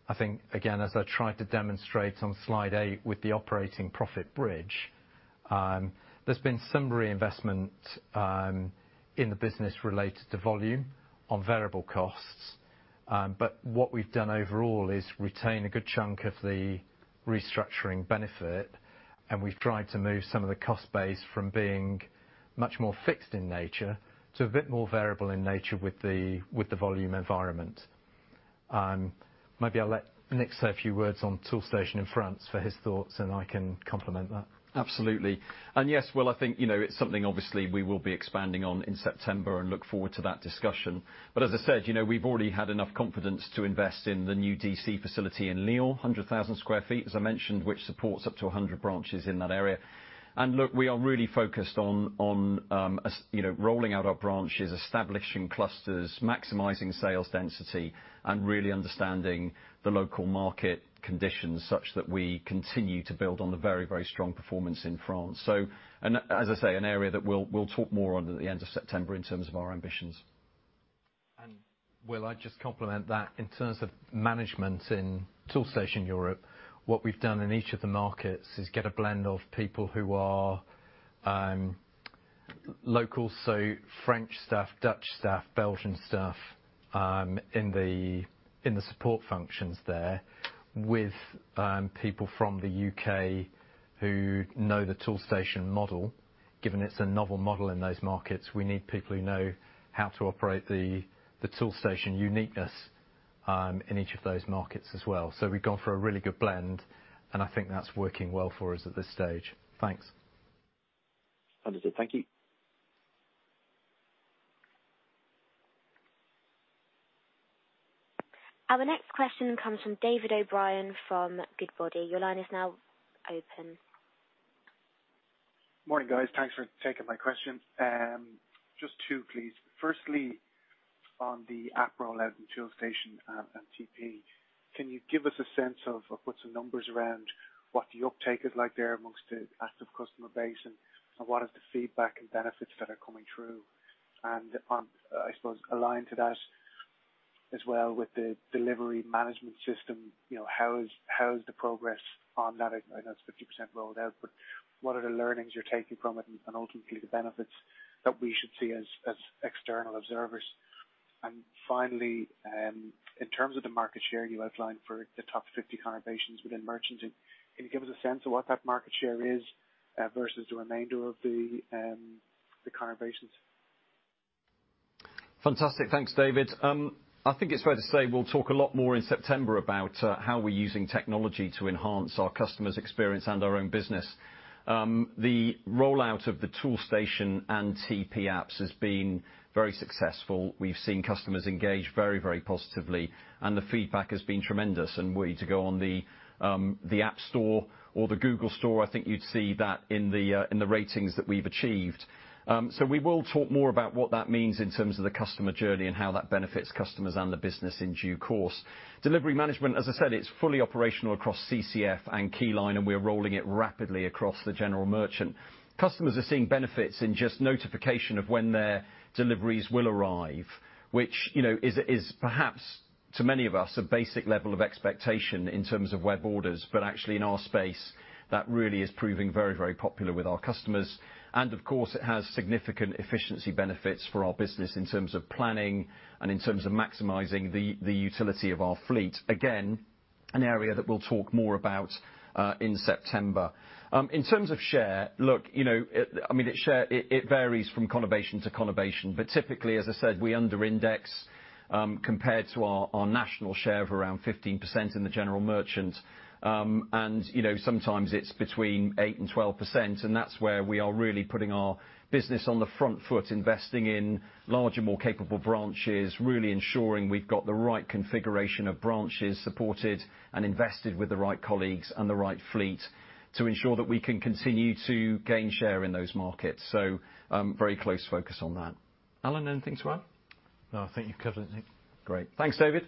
I think, again, as I tried to demonstrate on slide eight with the operating profit bridge, there's been some reinvestment in the business related to volume on variable costs. What we've done overall is retain a good chunk of the restructuring benefit, and we've tried to move some of the cost base from being much more fixed in nature to a bit more variable in nature with the volume environment. Maybe I'll let Nick say a few words on Toolstation in France for his thoughts, and I can complement that. Absolutely. Yes, Will, I think it's something obviously we will be expanding on in September and look forward to that discussion. As I said, we've already had enough confidence to invest in the new DC facility in Lyon, 100,000 sq ft, as I mentioned, which supports up to 100 branches in that area. Look, we are really focused on rolling out our branches, establishing clusters, maximizing sales density, and really understanding the local market conditions such that we continue to build on the very, very strong performance in France. As I say, an area that we'll talk more on at the end of September in terms of our ambitions. Will, I'd just complement that in terms of management in Toolstation Europe, what we've done in each of the markets is get a blend of people who are local, so French staff, Dutch staff, Belgian staff in the support functions there with people from the U.K. who know the Toolstation model. Given it's a novel model in those markets, we need people who know how to operate the Toolstation uniqueness in each of those markets as well. We've gone for a really good blend, and I think that's working well for us at this stage. Thanks. Understood. Thank you. Our next question comes from David O'Brien from Goodbody. Your line is now open. Morning, guys. Thanks for taking my question. Just two, please. Firstly, on the app rollout in Toolstation and TP, can you give us a sense of, or put some numbers around what the uptake is like there amongst the active customer base and what is the feedback and benefits that are coming through? I suppose aligned to that as well with the delivery management system, how's the progress on that? I know it's 50% rolled out, but what are the learnings you're taking from it and ultimately the benefits that we should see as external observers? Finally, in terms of the market share you outlined for the top 50 conurbations within merchanting, can you give us a sense of what that market share is versus the remainder of the conurbations? Fantastic. Thanks, David. I think it's fair to say we'll talk a lot more in September about how we're using technology to enhance our customers' experience and our own business. The rollout of the Toolstation and TP apps has been very successful. We've seen customers engage very, very positively, and the feedback has been tremendous, and were you to go on the App Store or the Google Play Store, I think you'd see that in the ratings that we've achieved. So we will talk more about what that means in terms of the customer journey and how that benefits customers and the business in due course. Delivery management, as I said, it's fully operational across CCF and Keyline, and we are rolling it rapidly across the general merchant. Customers are seeing benefits in just notification of when their deliveries will arrive, which is perhaps to many of us a basic level of expectation in terms of web orders, but actually in our space, that really is proving very, very popular with our customers. Of course it has significant efficiency benefits for our business in terms of planning and in terms of maximizing the utility of our fleet. Again, an area that we'll talk more about in September. In terms of share, look, it varies from conurbation to conurbation. Typically, as I said, we under index compared to our national share of around 15% in the general merchant. Sometimes it's between 8% and 12%, and that's where we are really putting our business on the front foot, investing in larger, more capable branches, really ensuring we've got the right configuration of branches supported and invested with the right colleagues and the right fleet to ensure that we can continue to gain share in those markets. Very close focus on that. Alan, anything to add? No, I think you've covered it, Nick. Great. Thanks, David.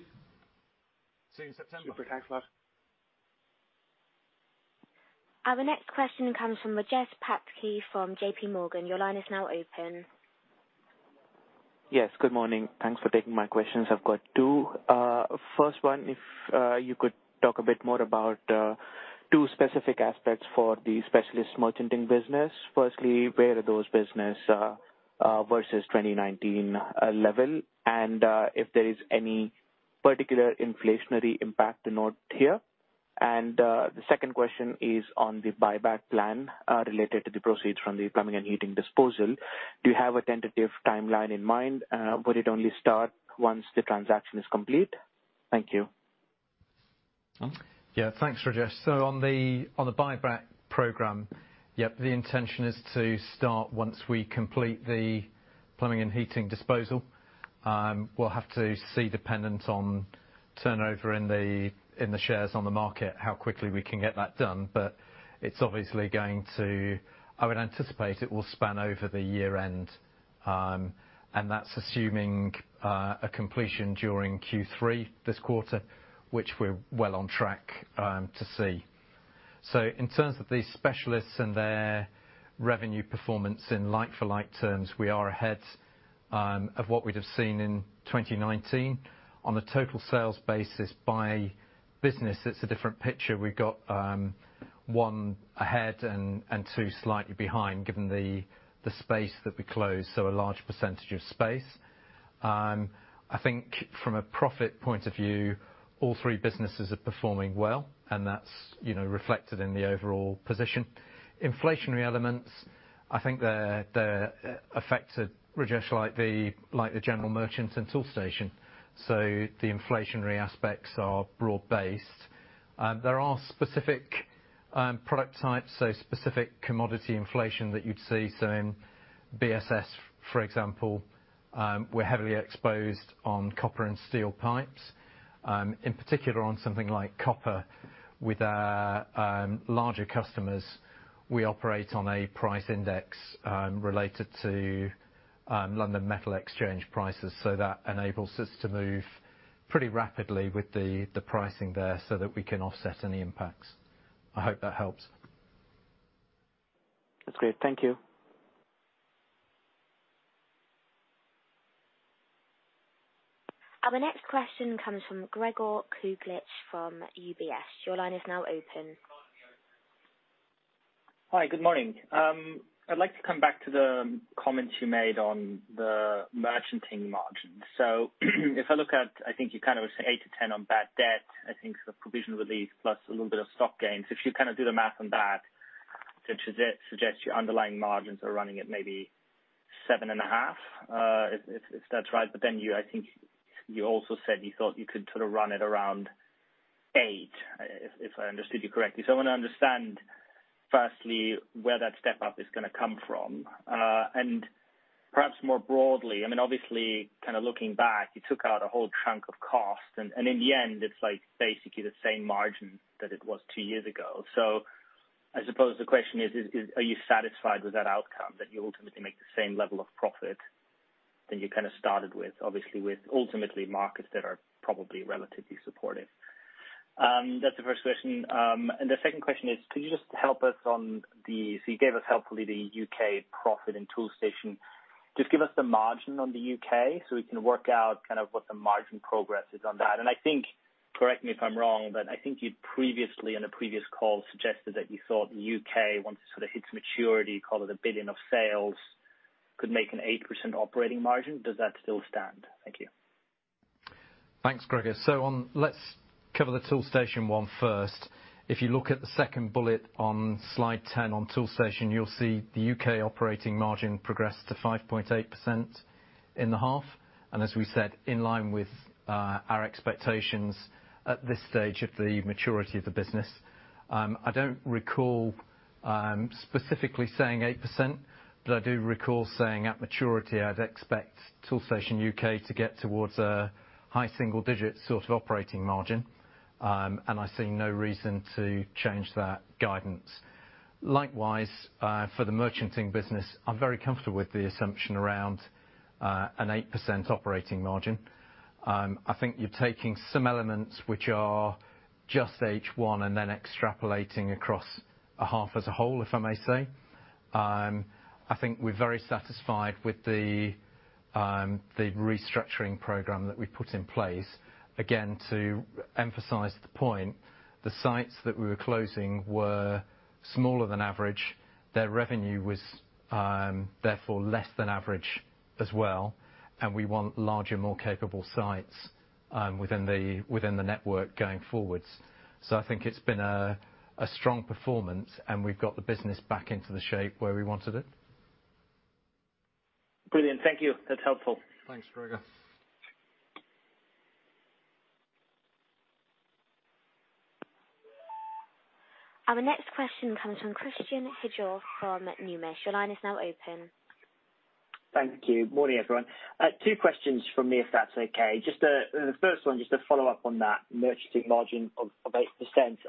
See you in September. Super. Thanks a lot. Our next question comes from Rajesh Patki from JPMorgan. Your line is now open. Yes, good morning. Thanks for taking my questions. I've got two. First one, if you could talk a bit more about two specific aspects for the specialist merchanting business. Firstly, where are those business versus 2019 level, and if there is any particular inflationary impact to note here? The second question is on the buyback plan related to the proceeds from the plumbing and heating disposal. Do you have a tentative timeline in mind? Would it only start once the transaction is complete? Thank you. Alan? Thanks, Rajesh. On the buyback program, yep, the intention is to start once we complete the plumbing and heating disposal. We'll have to see dependent on turnover in the shares on the market how quickly we can get that done. It's obviously, I would anticipate it will span over the year-end. That's assuming a completion during Q3 this quarter, which we're well on track to see. In terms of the specialists and their revenue performance in like-for-like terms, we are ahead of what we'd have seen in 2019. On the total sales basis by business, it's a different picture. We've got one ahead and two slightly behind, given the space that we closed, so a large percentage of space. I think from a profit point of view, all three businesses are performing well, and that's reflected in the overall position. Inflationary elements, I think they're affected, Rajesh, like the general merchants and Toolstation. The inflationary aspects are broad based. There are specific product types, so specific commodity inflation that you'd see. In BSS, for example, we're heavily exposed on copper and steel pipes. In particular, on something like copper with our larger customers, we operate on a price index related to London Metal Exchange prices. That enables us to move pretty rapidly with the pricing there so that we can offset any impacts. I hope that helps. That's great. Thank you. Our next question comes from Gregor Kuglitsch from UBS. Your line is now open. Hi, good morning. I'd like to come back to the comments you made on the merchanting margins. If I look at, I think you kind of said 8%-10% on bad debt, I think the provision release plus a little bit of stock gains. If you do the math on that suggests your underlying margins are running at maybe 7.5%, if that's right. You, I think you also said you thought you could sort of run it around 8%, if I understood you correctly. I want to understand, firstly, where that step up is going to come from. Perhaps more broadly, obviously, kind of looking back, you took out a whole chunk of cost, and in the end, it's basically the same margin that it was two years ago. I suppose the question is, are you satisfied with that outcome, that you ultimately make the same level of profit that you kind of started with, obviously with ultimately markets that are probably relatively supportive? That's the first question. The second question is, could you just help us on the you gave us helpfully the U.K. profit and Toolstation. Just give us the margin on the U.K. so we can work out kind of what the margin progress is on that. I think, correct me if I'm wrong, but I think you'd previously in a previous call suggested that you thought the U.K., once it sort of hits maturity, call it 1 billion of sales, could make an 8% operating margin. Does that still stand? Thank you. Thanks, Gregor. Let's cover the Toolstation one first. If you look at the second bullet on slide 10 on Toolstation, you'll see the U.K. operating margin progressed to 5.8% in the half. As we said, in line with our expectations at this stage of the maturity of the business. I don't recall specifically saying 8%, but I do recall saying at maturity, I'd expect Toolstation U.K. to get towards a high single digit sort of operating margin, and I see no reason to change that guidance. Likewise, for the merchanting business, I'm very comfortable with the assumption around an 8% operating margin. I think you're taking some elements which are just H1 and then extrapolating across a half as a whole, if I may say. I think we're very satisfied with the restructuring program that we put in place. To emphasize the point, the sites that we were closing were smaller than average. Their revenue was, therefore, less than average as well, and we want larger, more capable sites within the network going forwards. I think it's been a strong performance, and we've got the business back into the shape where we wanted it. Brilliant. Thank you. That's helpful. Thanks, Gregor. Our next question comes from Christen Hjorth from Numis. Your line is now open. Thank you. Morning, everyone. Two questions from me, if that's okay. The first one, just to follow up on that merchanting margin of 8%.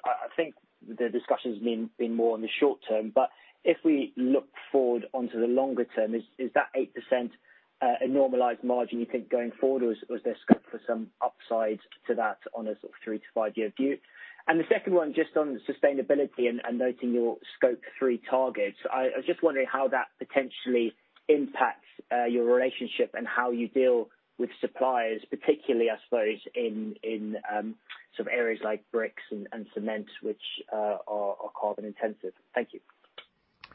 I think the discussion's been more on the short term. If we look forward onto the longer term, is that 8% a normalized margin you think, going forward? Or is there scope for some upside to that on a sort of three to five-year view? The second one, just on sustainability and noting your Scope 3 targets. I was just wondering how that potentially impacts your relationship and how you deal with suppliers, particularly, I suppose, in some areas like bricks and cement, which are carbon intensive. Thank you.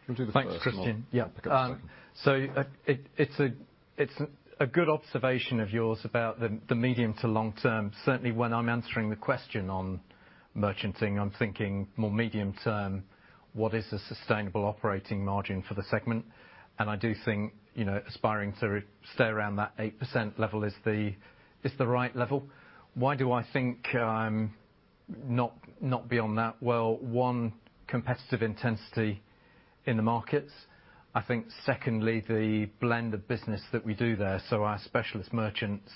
Can we do the first and I'll pick up the second? Thanks, Christen. It's a good observation of yours about the medium to long term. Certainly, when I'm answering the question on merchanting, I'm thinking more medium term, what is the sustainable operating margin for the segment? I do think aspiring to stay around that 8% level is the right level. Why do I think not beyond that? Well, one, competitive intensity in the markets. I think secondly, the blend of business that we do there. Our specialist merchants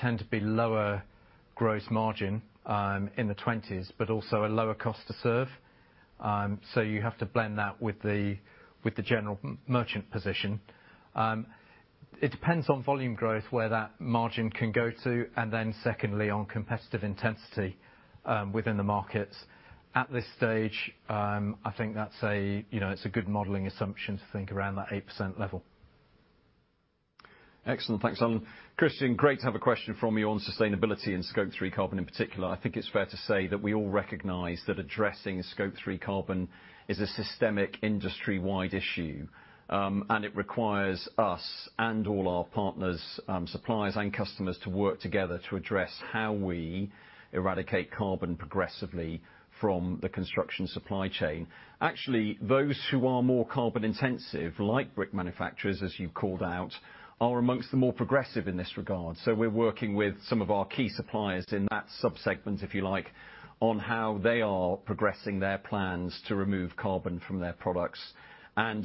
tend to be lower gross margin, in the 20s, but also a lower cost to serve. You have to blend that with the general merchant position. It depends on volume growth, where that margin can go to, and then secondly, on competitive intensity within the markets. At this stage, I think it's a good modeling assumption to think around that 8% level. Excellent. Thanks. Christen, great to have a question from you on sustainability and Scope 3 carbon, in particular. I think it's fair to say that we all recognize that addressing Scope 3 carbon is a systemic industry-wide issue, and it requires us and all our partners, suppliers, and customers to work together to address how we eradicate carbon progressively from the construction supply chain. Actually, those who are more carbon intensive, like brick manufacturers, as you called out, are amongst the more progressive in this regard. So we're working with some of our key suppliers in that sub-segment, if you like, on how they are progressing their plans to remove carbon from their products.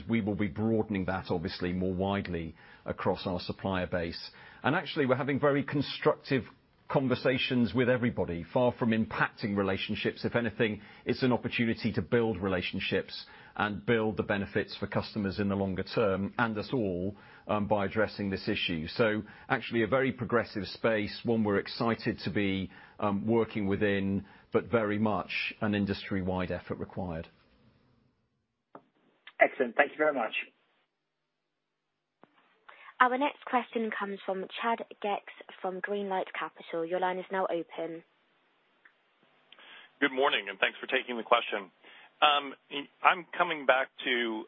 We will be broadening that obviously more widely across our supplier base. Actually, we're having very constructive conversations with everybody. Far from impacting relationships. If anything, it's an opportunity to build relationships and build the benefits for customers in the longer term, and us all, by addressing this issue. Actually a very progressive space, one we're excited to be working within, but very much an industry-wide effort required. Excellent. Thank you very much. Our next question comes from Chad Gex from Greenlight Capital. Your line is now open. Good morning, thanks for taking the question. I'm coming back to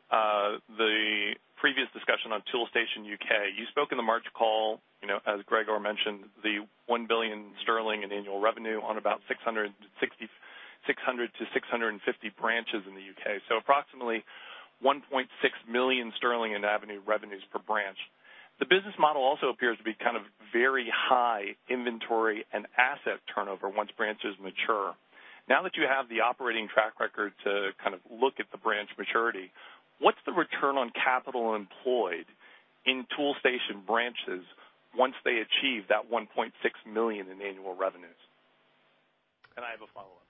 the previous discussion on Toolstation U.K. You spoke in the March call, as Gregor mentioned, the 1 billion sterling in annual revenue on about 600 to 650 branches in the U.K., so approximately 1.6 million sterling in annual revenues per branch. The business model also appears to be very high inventory and asset turnover once branches mature. Now that you have the operating track record to look at the branch maturity, what's the return on capital employed in Toolstation branches once they achieve that 1.6 million in annual revenues? I have a follow-up.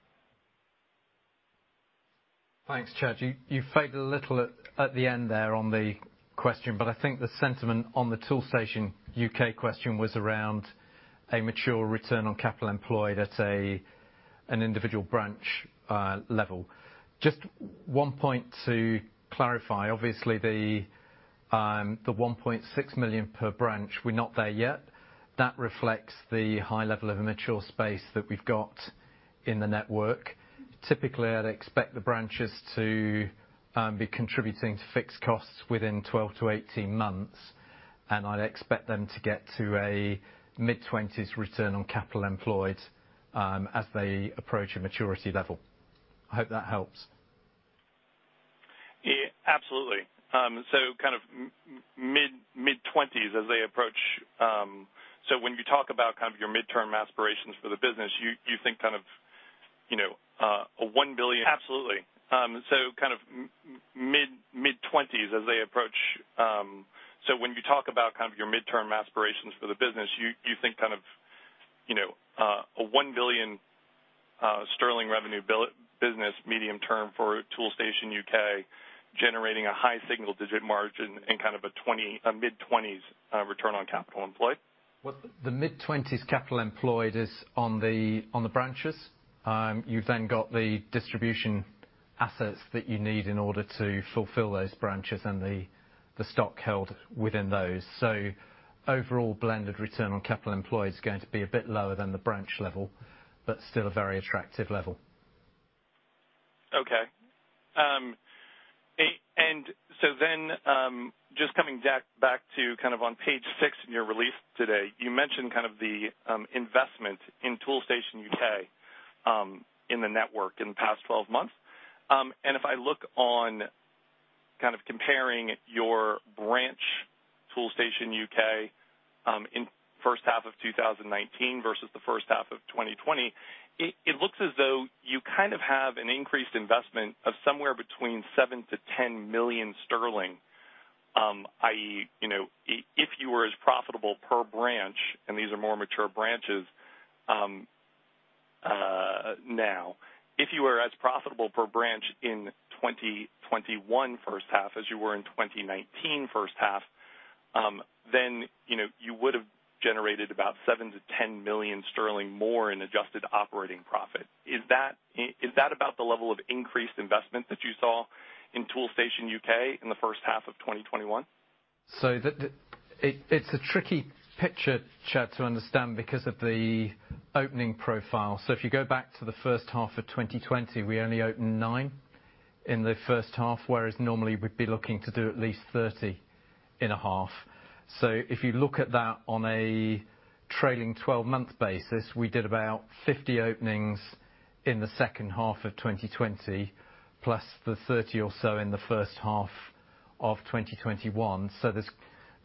Thanks, Chad. You faded a little at the end there on the question, but I think the sentiment on the Toolstation U.K. question was around a mature return on capital employed at an individual branch level. Just one point to clarify. Obviously, the 1.6 million per branch, we're not there yet. That reflects the high level of mature space that we've got in the network. Typically, I'd expect the branches to be contributing to fixed costs within 12 to 18 months, and I'd expect them to get to a mid-20s return on capital employed as they approach a maturity level. I hope that helps. Yeah, absolutely. Mid-20s as they approach. When you talk about your midterm aspirations for the business, you think a 1 billion revenue business medium term for Toolstation U.K., generating a high single-digit margin in a mid-20s return on capital employed? The mid-20s capital employed is on the branches. You've then got the distribution assets that you need in order to fulfill those branches and the stock held within those. Overall, blended return on capital employed is going to be a bit lower than the branch level, but still a very attractive level. Just coming back to on page six in your release today, you mentioned the investment in Toolstation U.K. in the network in the past 12 months. If I look on comparing your branch Toolstation U.K. in first half of 2019 versus the first half of 2020, it looks as though you have an increased investment of somewhere between 7 million-10 million sterling. If you were as profitable per branch, and these are more mature branches now, if you were as profitable per branch in 2021 first half as you were in 2019 first half, you would have generated about 7 million-10 million sterling more in adjusted operating profit. Is that about the level of increased investment that you saw in Toolstation U.K. in the first half of 2021? It's a tricky picture, Chad, to understand because of the opening profile. If you go back to the first half of 2020, we only opened nine in the first half, whereas normally we'd be looking to do at least 30 in a half. If you look at that on a trailing 12-month basis, we did about 50 openings in the second half of 2020, plus the 30 or so in the first half of 2021.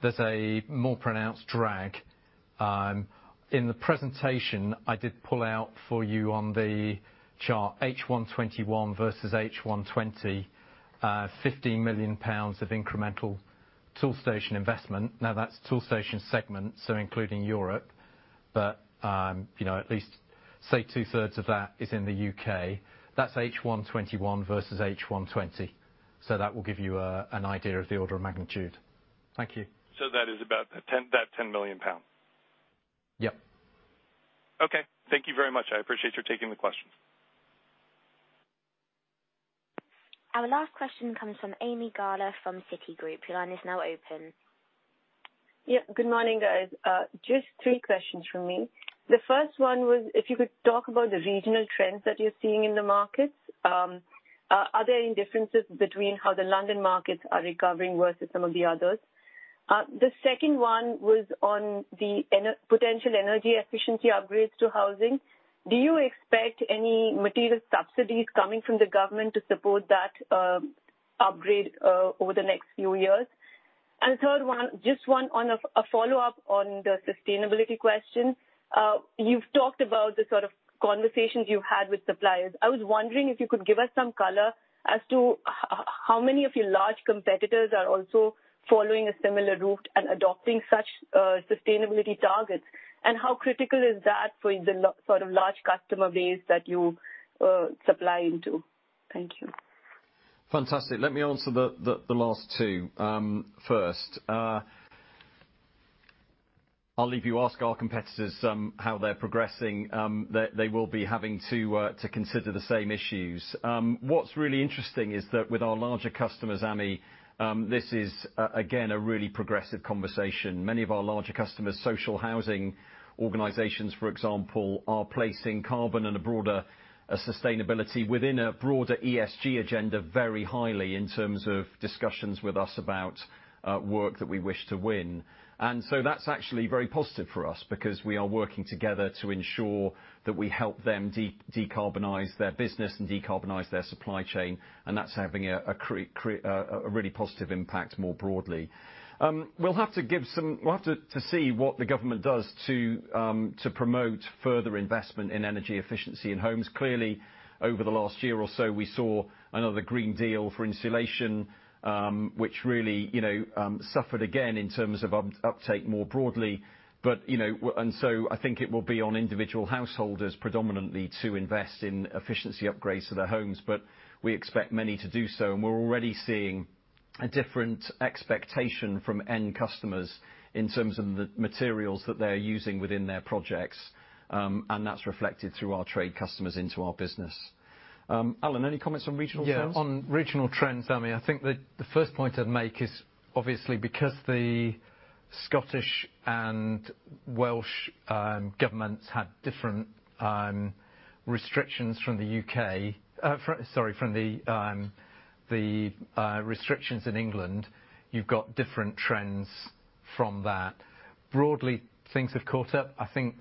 There's a more pronounced drag. In the presentation, I did pull out for you on the chart H1 2021 versus H1 2020, GBP 15 million of incremental Toolstation investment. Now that's Toolstation segment, so including Europe. At least, say two-thirds of that is in the U.K. That's H1 2021 versus H1 2020. That will give you an idea of the order of magnitude. Thank you. That is about that 10 million pounds? Yep. Okay. Thank you very much. I appreciate your taking the question. Our last question comes from Ami Galla from Citigroup. Your line is now open. Yeah. Good morning, guys. Just three questions from me. The first one was, if you could talk about the regional trends that you're seeing in the markets. Are there any differences between how the London markets are recovering versus some of the others? The second one was on the potential energy efficiency upgrades to housing. Do you expect any material subsidies coming from the government to support that upgrade over the next few years? Third one, just a follow-up on the sustainability question. You've talked about the sort of conversations you've had with suppliers. I was wondering if you could give us some color as to how many of your large competitors are also following a similar route and adopting such sustainability targets. How critical is that for the large customer base that you supply into? Thank you. Fantastic. Let me answer the last two first. I'll leave you ask our competitors how they're progressing. They will be having to consider the same issues. What's really interesting is that with our larger customers, Ami, this is, again, a really progressive conversation. Many of our larger customers, social housing organizations, for example, are placing carbon and a broader sustainability within a broader ESG agenda very highly in terms of discussions with us about work that we wish to win. That's actually very positive for us because we are working together to ensure that we help them decarbonize their business and decarbonize their supply chain, and that's having a really positive impact more broadly. We'll have to see what the government does to promote further investment in energy efficiency in homes. Clearly, over the last year or so, we saw another Green Deal for insulation, which really suffered again in terms of uptake more broadly. I think it will be on individual householders predominantly to invest in efficiency upgrades to their homes, but we expect many to do so, and we're already seeing a different expectation from end customers in terms of the materials that they're using within their projects, and that's reflected through our trade customers into our business. Alan, any comments on regional trends? Yeah. On regional trends, Ami, I think the first point I'd make is obviously because the Scottish and Welsh governments had different restrictions from the restrictions in England, you've got different trends from that. Broadly, things have caught up. I think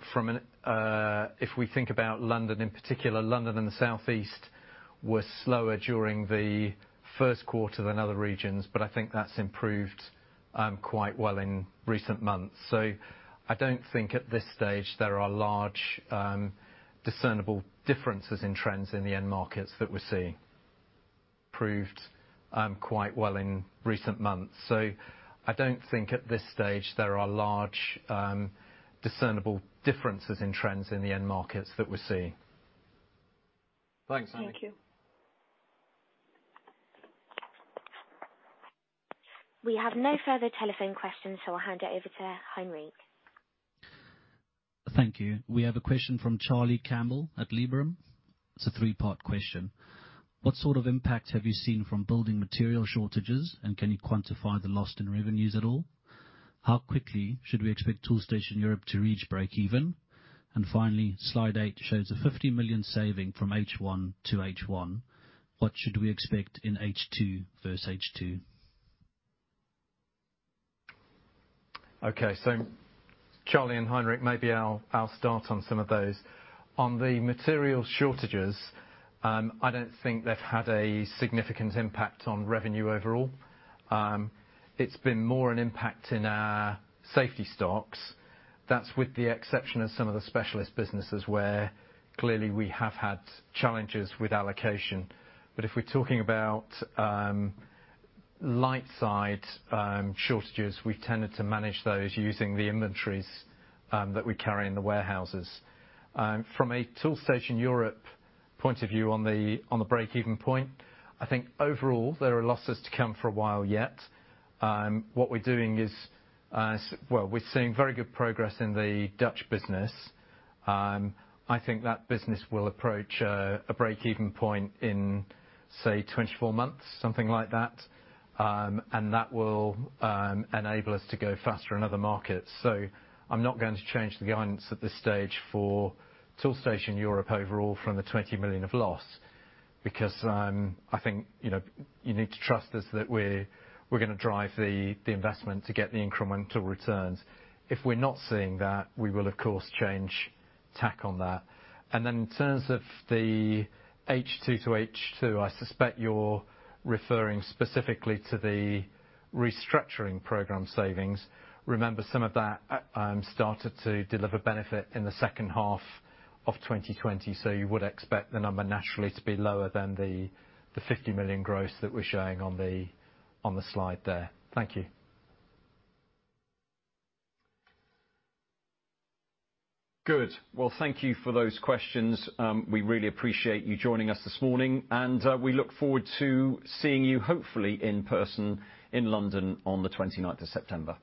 if we think about London in particular, London and the Southeast were slower during the first quarter than other regions, I think that's improved quite well in recent months. I don't think at this stage there are large, discernible differences in trends in the end markets that we're seeing. Improved quite well in recent months. I don't think at this stage there are large, discernible differences in trends in the end markets that we're seeing. Thanks, Ami. Thank you. We have no further telephone questions, so I'll hand it over to Heinrich. Thank you. We have a question from Charlie Campbell at Liberum. It's a three-part question. What sort of impact have you seen from building material shortages, and can you quantify the loss in revenues at all? How quickly should we expect Toolstation Europe to reach break even? Finally, slide eight shows a 50 million saving from H1 to H1. What should we expect in H2 versus H2? Charlie and Heinrich, maybe I'll start on some of those. On the material shortages, I don't think they've had a significant impact on revenue overall. It's been more an impact in our safety stocks. That's with the exception of some of the specialist businesses where clearly we have had challenges with allocation. If we're talking about light side shortages, we've tended to manage those using the inventories that we carry in the warehouses. From a Toolstation Europe point of view on the break-even point, I think overall there are losses to come for a while yet. What we're doing is, we're seeing very good progress in the Dutch business. I think that business will approach a break-even point in, say, 24 months, something like that. That will enable us to go faster in other markets. I'm not going to change the guidance at this stage for Toolstation Europe overall from the 20 million of loss, because I think you need to trust us that we're going to drive the investment to get the incremental returns. If we're not seeing that, we will, of course, change tack on that. In terms of the H2 to H2, I suspect you're referring specifically to the restructuring program savings. Remember, some of that started to deliver benefit in the second half of 2020, so you would expect the number naturally to be lower than the 50 million gross that we're showing on the slide there. Thank you. Good. Well, thank you for those questions. We really appreciate you joining us this morning, and we look forward to seeing you, hopefully in person in London on the 29th of September.